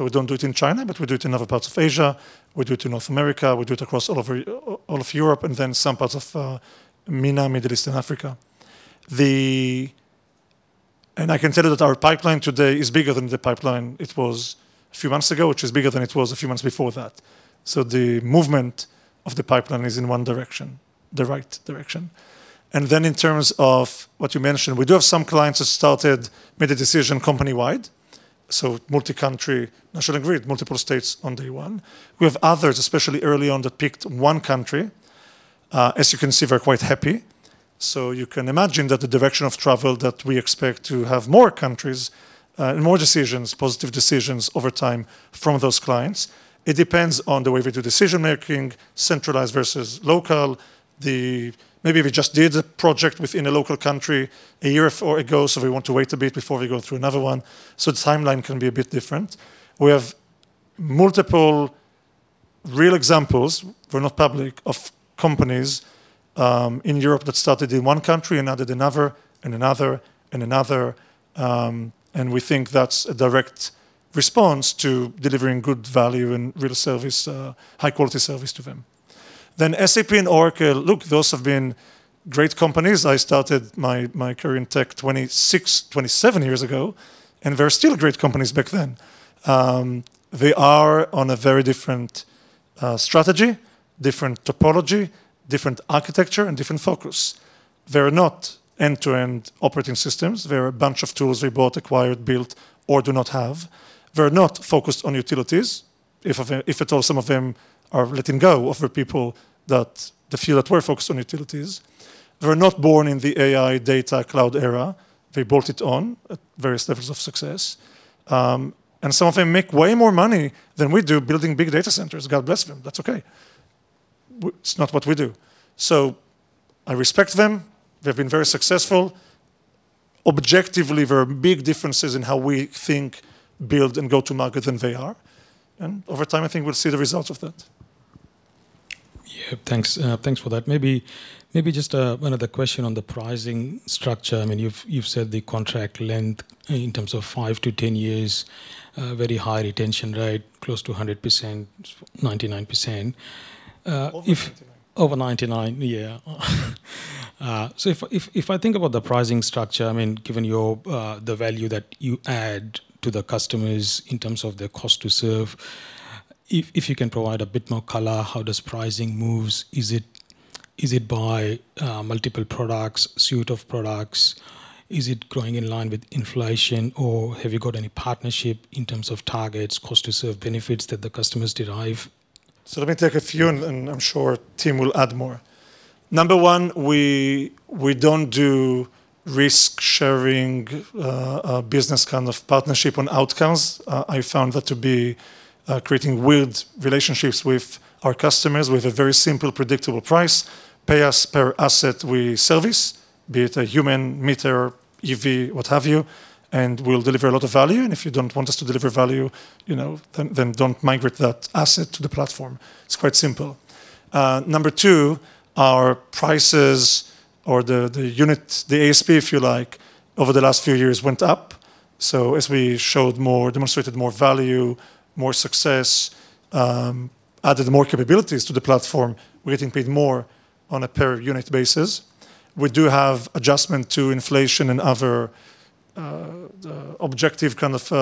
We don't do it in China, but we do it in other parts of Asia. We do it in North America. We do it across all of Europe and then some parts of MENA, Middle East and Africa. I can tell you that our pipeline today is bigger than the pipeline it was a few months ago, which is bigger than it was a few months before that. The movement of the pipeline is in one direction, the right direction. In terms of what you mentioned, we do have some clients that started, made a decision company-wide, so multi-country, National Grid, multiple states on day one. We have others, especially early on, that picked one country. As you can see, we're quite happy. You can imagine that the direction of travel that we expect to have more countries, and more decisions, positive decisions over time from those clients. It depends on the way we do decision-making, centralized versus local. Maybe we just did a project within a local country a year or so ago, so we want to wait a bit before we go through another one. The timeline can be a bit different. We have multiple real examples, we're not public, of companies in Europe that started in one country and added another, and another, and another. We think that's a direct response to delivering good value and real service, high-quality service to them. SAP and Oracle, look, those have been great companies. I started my career in tech 26, 27 years ago, and they were still great companies back then. They are on a very different strategy, different topology, different architecture, and different focus. They're not end-to-end operating systems. They're a bunch of tools they bought, acquired, built, or do not have. They're not focused on utilities. If at all, some of them are letting go of the people that the few that were focused on utilities. They were not born in the AI data cloud era. They built it on at various levels of success. Some of them make way more money than we do building big data centers. God bless them. That's okay. It's not what we do. I respect them. They've been very successful. Objectively, there are big differences in how we think, build, and go to market than they are. Over time, I think we'll see the results of that. Yeah. Thanks. Thanks for that. Maybe just another question on the pricing structure. I mean, you've said the contract length in terms of 5-10 years, very high retention rate, close to 100%, 99%. If- Over 99%. Over 99%, yeah. If I think about the pricing structure, I mean, given the value that you add to the customers in terms of their cost to serve, if you can provide a bit more color, how does pricing moves? Is it by multiple products, suite of products? Is it growing in line with inflation, or have you got any partnership in terms of targets, cost to serve benefits that the customers derive? Let me take a few, and I'm sure Tim will add more. Number one, we don't do risk-sharing business kind of partnership on outcomes. I found that to be creating weird relationships with our customers with a very simple, predictable price. Pay us per asset we service, be it a human meter, EV, what have you, and we'll deliver a lot of value. If you don't want us to deliver value, you know, then don't migrate that asset to the platform. It's quite simple. Number two, our prices or the unit, the ASP, if you like, over the last few years went up. As we showed more, demonstrated more value, more success, added more capabilities to the platform, we're getting paid more on a per unit basis. We do have adjustment to inflation and other, objective kind of,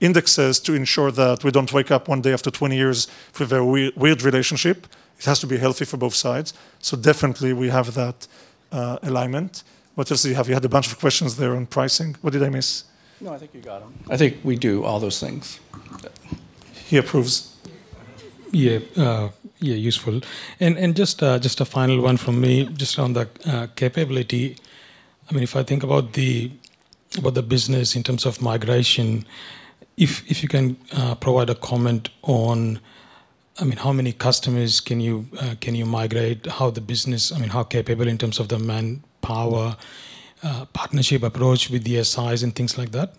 indexes to ensure that we don't wake up one day after 20 years with a weird relationship. It has to be healthy for both sides. Definitely we have that alignment. What else do you have? You had a bunch of questions there on pricing. What did I miss? No, I think you got them. I think we do all those things. He approves. Yeah. Yeah, useful. Just a final one from me, just on the capability. I mean, if I think about the business in terms of migration, if you can provide a comment on, I mean, how many customers can you migrate? How the business, I mean, how capable in terms of the manpower, partnership approach with the SIs and things like that?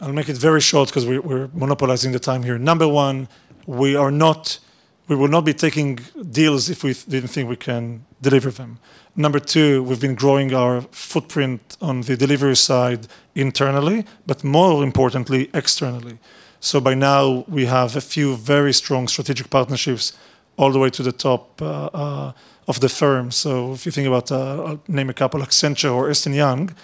I'll make it very short 'cause we're monopolizing the time here. Number one, we will not be taking deals if we didn't think we can deliver them. Number two, we've been growing our footprint on the delivery side internally, but more importantly, externally. By now we have a few very strong strategic partnerships all the way to the top of the firm. If you think about, I'll name a couple, Accenture or Ernst & Young.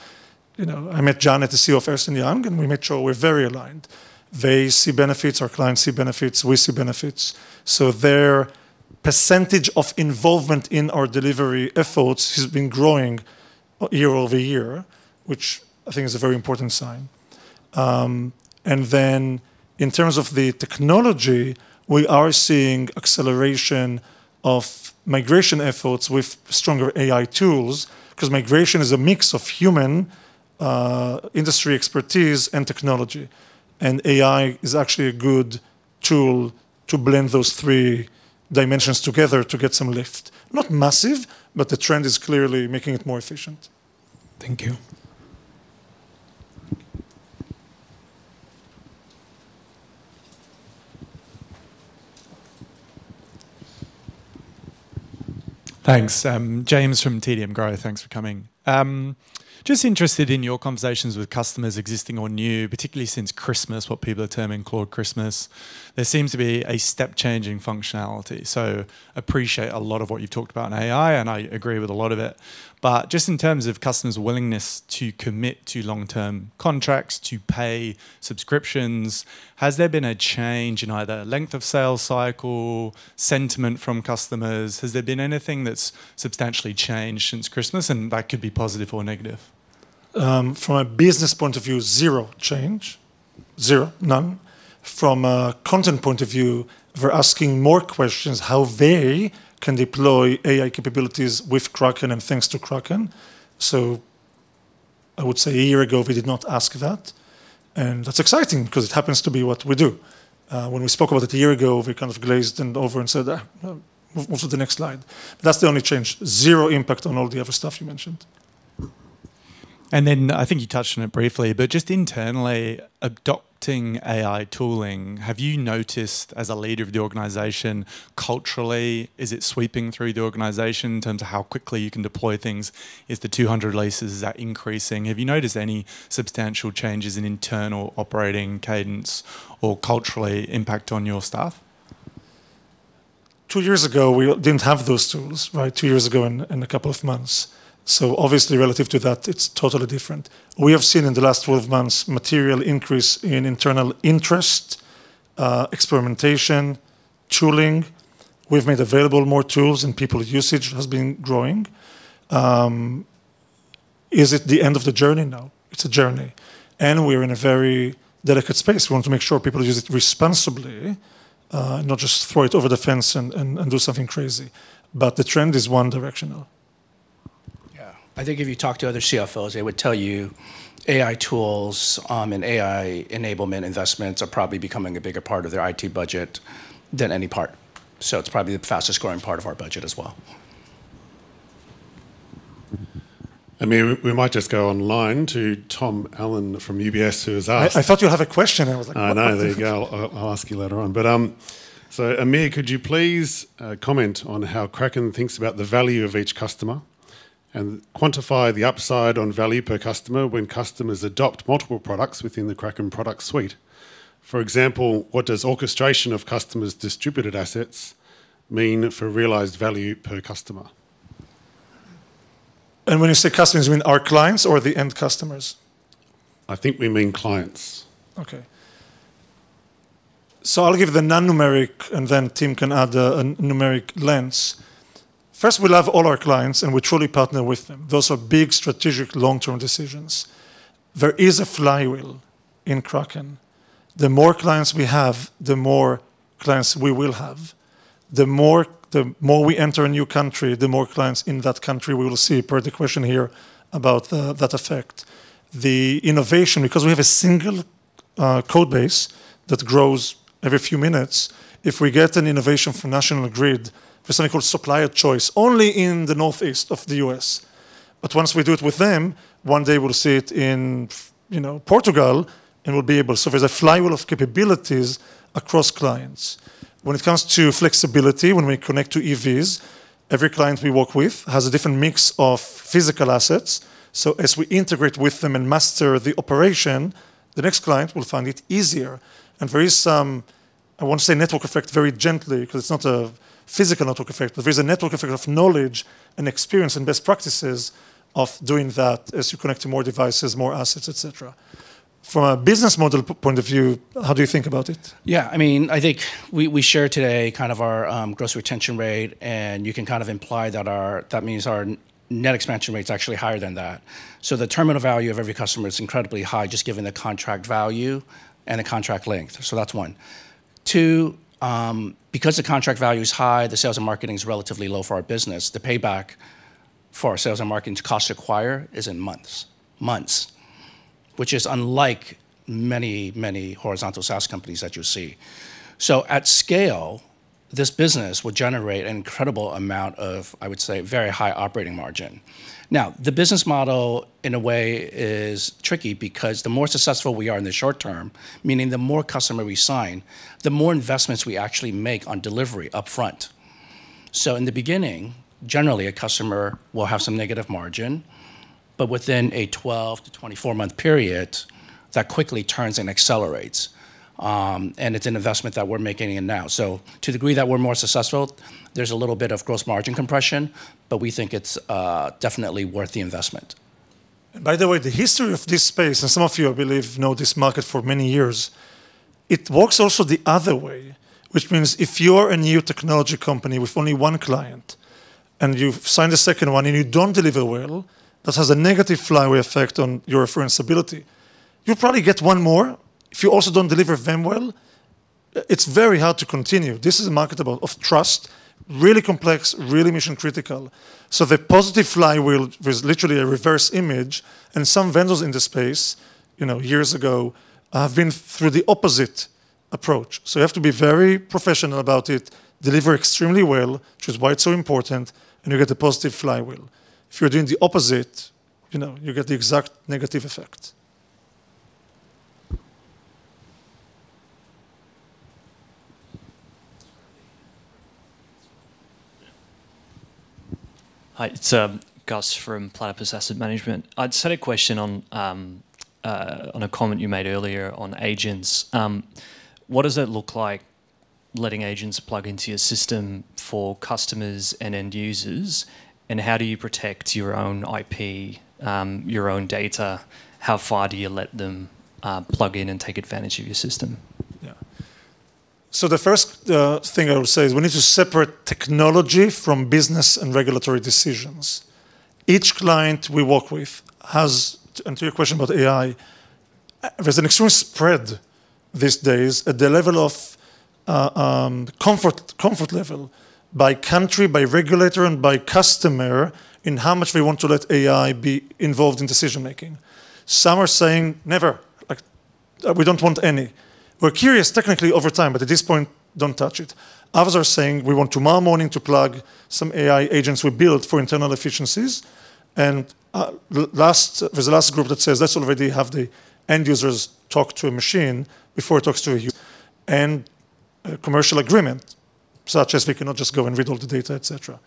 You know, I met John, the CEO of Ernst & Young, and we made sure we're very aligned. They see benefits, our clients see benefits, we see benefits. Their percentage of involvement in our delivery efforts has been growing year-over-year, which I think is a very important sign. In terms of the technology, we are seeing acceleration of migration efforts with stronger AI tools, 'cause migration is a mix of human, industry expertise and technology, and AI is actually a good tool to blend those three dimensions together to get some lift. Not massive, but the trend is clearly making it more efficient. Thank you. Thanks. I'm James from TDM Growth. Thanks for coming. Just interested in your conversations with customers existing or new, particularly since Christmas, what people are terming "Cloud Christmas." There seems to be a step-changing functionality. Appreciate a lot of what you've talked about in AI, and I agree with a lot of it. Just in terms of customers' willingness to commit to long-term contracts to pay subscriptions, has there been a change in either length of sales cycle, sentiment from customers? Has there been anything that's substantially changed since Christmas, and that could be positive or negative? From a business point of view, zero change. Zero. None. From a content point of view, we're asking more questions how they can deploy AI capabilities with Kraken and thanks to Kraken. I would say a year ago we did not ask that, and that's exciting 'cause it happens to be what we do. When we spoke about it a year ago, we kind of glazed over and said, "move on to the next slide." That's the only change. Zero impact on all the other stuff you mentioned. I think you touched on it briefly, but just internally adopting AI tooling, have you noticed, as a leader of the organization, culturally, is it sweeping through the organization in terms of how quickly you can deploy things? Is the 200 leases, is that increasing? Have you noticed any substantial changes in internal operating cadence or cultural impact on your staff? Two years ago, we didn't have those tools, right? Two years ago in a couple of months. Obviously relative to that, it's totally different. We have seen in the last 12 months material increase in internal interest, experimentation, tooling. We've made available more tools, and people usage has been growing. Is it the end of the journey? No. It's a journey, and we're in a very delicate space. We want to make sure people use it responsibly, not just throw it over the fence and do something crazy. The trend is one directional. Yeah. I think if you talk to other CFOs, they would tell you AI tools, and AI enablement investments are probably becoming a bigger part of their IT budget than any part. It's probably the fastest growing part of our budget as well. Amir, we might just go online to Tom Allen from UBS who has asked. I thought you have a question. I was like, "What? I know. There you go. I'll ask you later on. Amir, could you please comment on how Kraken thinks about the value of each customer and quantify the upside on value per customer when customers adopt multiple products within the Kraken product suite? For example, what does orchestration of customers' distributed assets mean for realized value per customer? When you say customers, you mean our clients or the end customers? I think we mean clients. Okay. I'll give the non-numeric, and then Tim can add a numeric lens. First, we love all our clients, and we truly partner with them. Those are big strategic long-term decisions. There is a flywheel in Kraken. The more clients we have, the more clients we will have. The more we enter a new country, the more clients in that country we will see, per the question here about that effect. The innovation, because we have a single code base that grows every few minutes, if we get an innovation from National Grid for something called Supplier Choice, only in the northeast of the U.S., but once we do it with them, one day we'll see it in, you know, Portugal, and we'll be able. So there's a flywheel of capabilities across clients. When it comes to flexibility, when we connect to EVs, every client we work with has a different mix of physical assets. As we integrate with them and master the operation, the next client will find it easier. There is some, I want to say network effect very gently 'cause it's not a physical network effect, but there's a network effect of knowledge and experience and best practices of doing that as you connect to more devices, more assets, et cetera. From a business model point of view, how do you think about it? Yeah, I mean, I think we shared today kind of our gross retention rate, and you can kind of imply that that means our net expansion rate's actually higher than that. The terminal value of every customer is incredibly high just given the contract value and the contract length. That's one. Two, because the contract value is high, the sales and marketing is relatively low for our business, the payback for our sales and marketing cost to acquire is in months. Which is unlike many horizontal SaaS companies that you see. So at scale this business will generate an incredible amount of, I would say, very high operating margin. Now, the business model in a way is tricky because the more successful we are in the short term, meaning the more customers we sign, the more investments we actually make on delivery upfront. In the beginning, generally a customer will have some negative margin, but within a 12-24 month period that quickly turns and accelerates. It's an investment that we're making in now. To the degree that we're more successful, there's a little bit of gross margin compression, but we think it's definitely worth the investment. By the way, the history of this space, and some of you I believe know this market for many years, it works also the other way, which means if you're a new technology company with only one client and you've signed a second one and you don't deliver well, this has a negative flywheel effect on your referencability. You'll probably get one more. If you also don't deliver them well, it's very hard to continue. This is a market of trust, really complex, really mission-critical. The positive flywheel is literally a reverse image, and some vendors in this space, you know, years ago have been through the opposite approach. You have to be very professional about it, deliver extremely well, which is why it's so important, and you get the positive flywheel. If you're doing the opposite, you know, you get the exact negative effect. Hi, it's Guus from Platypus Asset Management. I just had a question on a comment you made earlier on agents. What does it look like letting agents plug into your system for customers and end users, and how do you protect your own IP, your own data? How far do you let them plug in and take advantage of your system? Yeah. The first thing I would say is we need to separate technology from business and regulatory decisions. To your question about AI, there's an extreme spread these days at the level of comfort level by country, by regulator, and by customer in how much they want to let AI be involved in decision-making. Some are saying, "Never," like, "We don't want any. We're curious technically over time, but at this point don't touch it." Others are saying, "We want tomorrow morning to plug some AI agents we built for internal efficiencies." The last group that says, "Let's already have the end users talk to a machine before it talks to you." A commercial agreement, such as we cannot just go and read all the data, et cetera.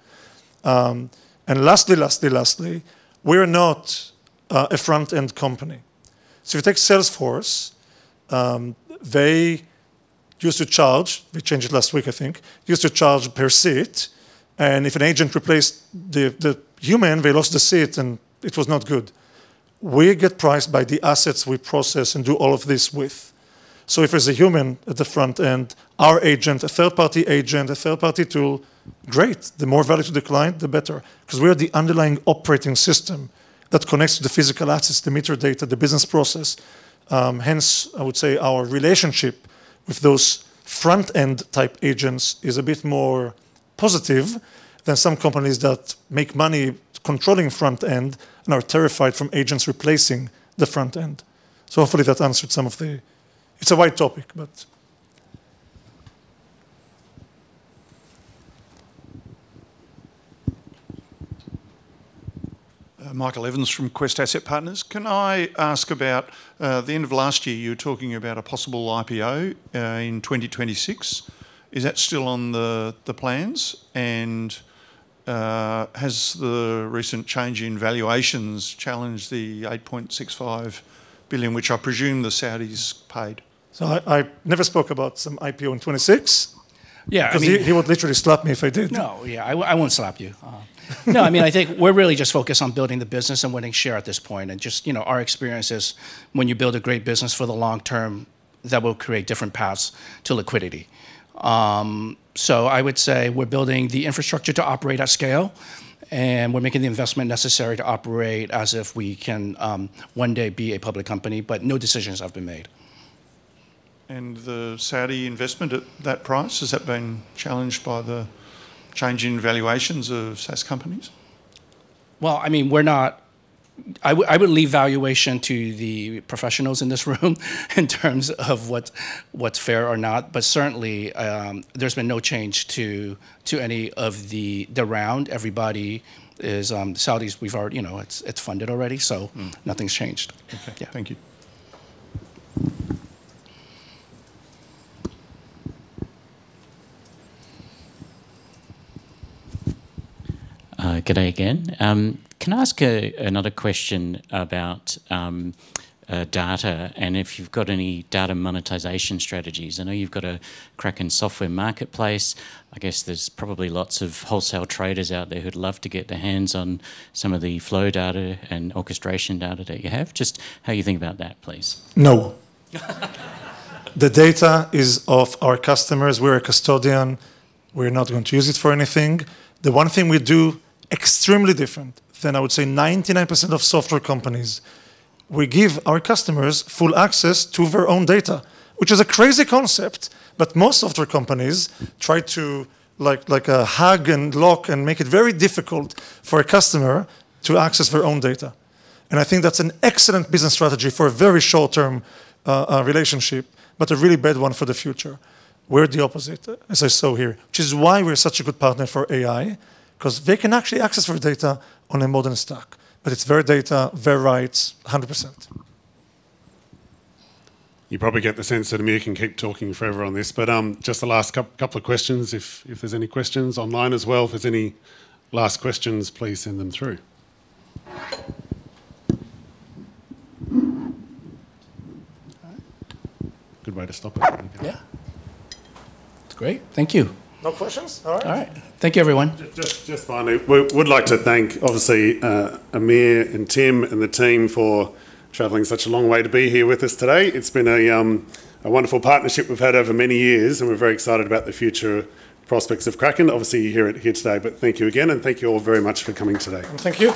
Lastly, we're not a front-end company. So if you take Salesforce, they changed it last week I think, used to charge per seat, and if an agent replaced the human, they lost a seat and it was not good. We get priced by the assets we process and do all of this with. So if there's a human at the front end, our agent, a third party agent, a third party tool, great. The more value to the client, the better, 'cause we're the underlying operating system that connects to the physical assets, the meter data, the business process. Hence, I would say our relationship with those front-end type agents is a bit more positive than some companies that make money controlling front end and are terrified from agents replacing the front end. Hopefully that answered some of the. It's a wide topic, but. Michael Evans from Quest Asset Partners. Can I ask about the end of last year you were talking about a possible IPO in 2026? Is that still on the plans, and has the recent change in valuations challenged the 8.65 billion, which I presume the Saudis paid? I never spoke about some IPO in 2026. Yeah, I mean. 'Cause he would literally slap me if I did. No. Yeah, I won't slap you. No, I mean, I think we're really just focused on building the business and winning share at this point, and just, you know, our experience is when you build a great business for the long term, that will create different paths to liquidity. I would say we're building the infrastructure to operate at scale, and we're making the investment necessary to operate as if we can, one day be a public company, but no decisions have been made. The Saudi investment at that price, has that been challenged by the change in valuations of SaaS companies? Well, I mean, I would leave valuation to the professionals in this room in terms of what's fair or not. Certainly, there's been no change to any of the round. Everybody is satisfied, you know, it's funded already. Mm. Nothing's changed. Okay. Yeah. Thank you. Good day again. Can I ask another question about data, and if you've got any data monetization strategies? I know you've got a Kraken software marketplace. I guess there's probably lots of wholesale traders out there who'd love to get their hands on some of the flow data and orchestration data that you have. Just how you think about that, please? No. The data is of our customers. We're a custodian. We're not going to use it for anything. The one thing we do extremely different than I would say 99% of software companies, we give our customers full access to their own data, which is a crazy concept, but most software companies try to like hug and lock and make it very difficult for a customer to access their own data, and I think that's an excellent business strategy for a very short-term relationship, but a really bad one for the future. We're the opposite, as I saw here, which is why we're such a good partner for AI, 'cause they can actually access their data on a modern stack, but it's their data, their rights 100%. You probably get the sense that Amir can keep talking forever on this, but just the last couple of questions. If, if there's any questions online as well, if there's any last questions, please send them through. Good way to stop it. Yeah. It's great. Thank you. No questions? All right. All right. Thank you, everyone. Just finally, we would like to thank obviously Amir and Tim and the team for traveling such a long way to be here with us today. It's been a wonderful partnership we've had over many years, and we're very excited about the future prospects of Kraken. Obviously you hear it here today, but thank you again, and thank you all very much for coming today. Thank you.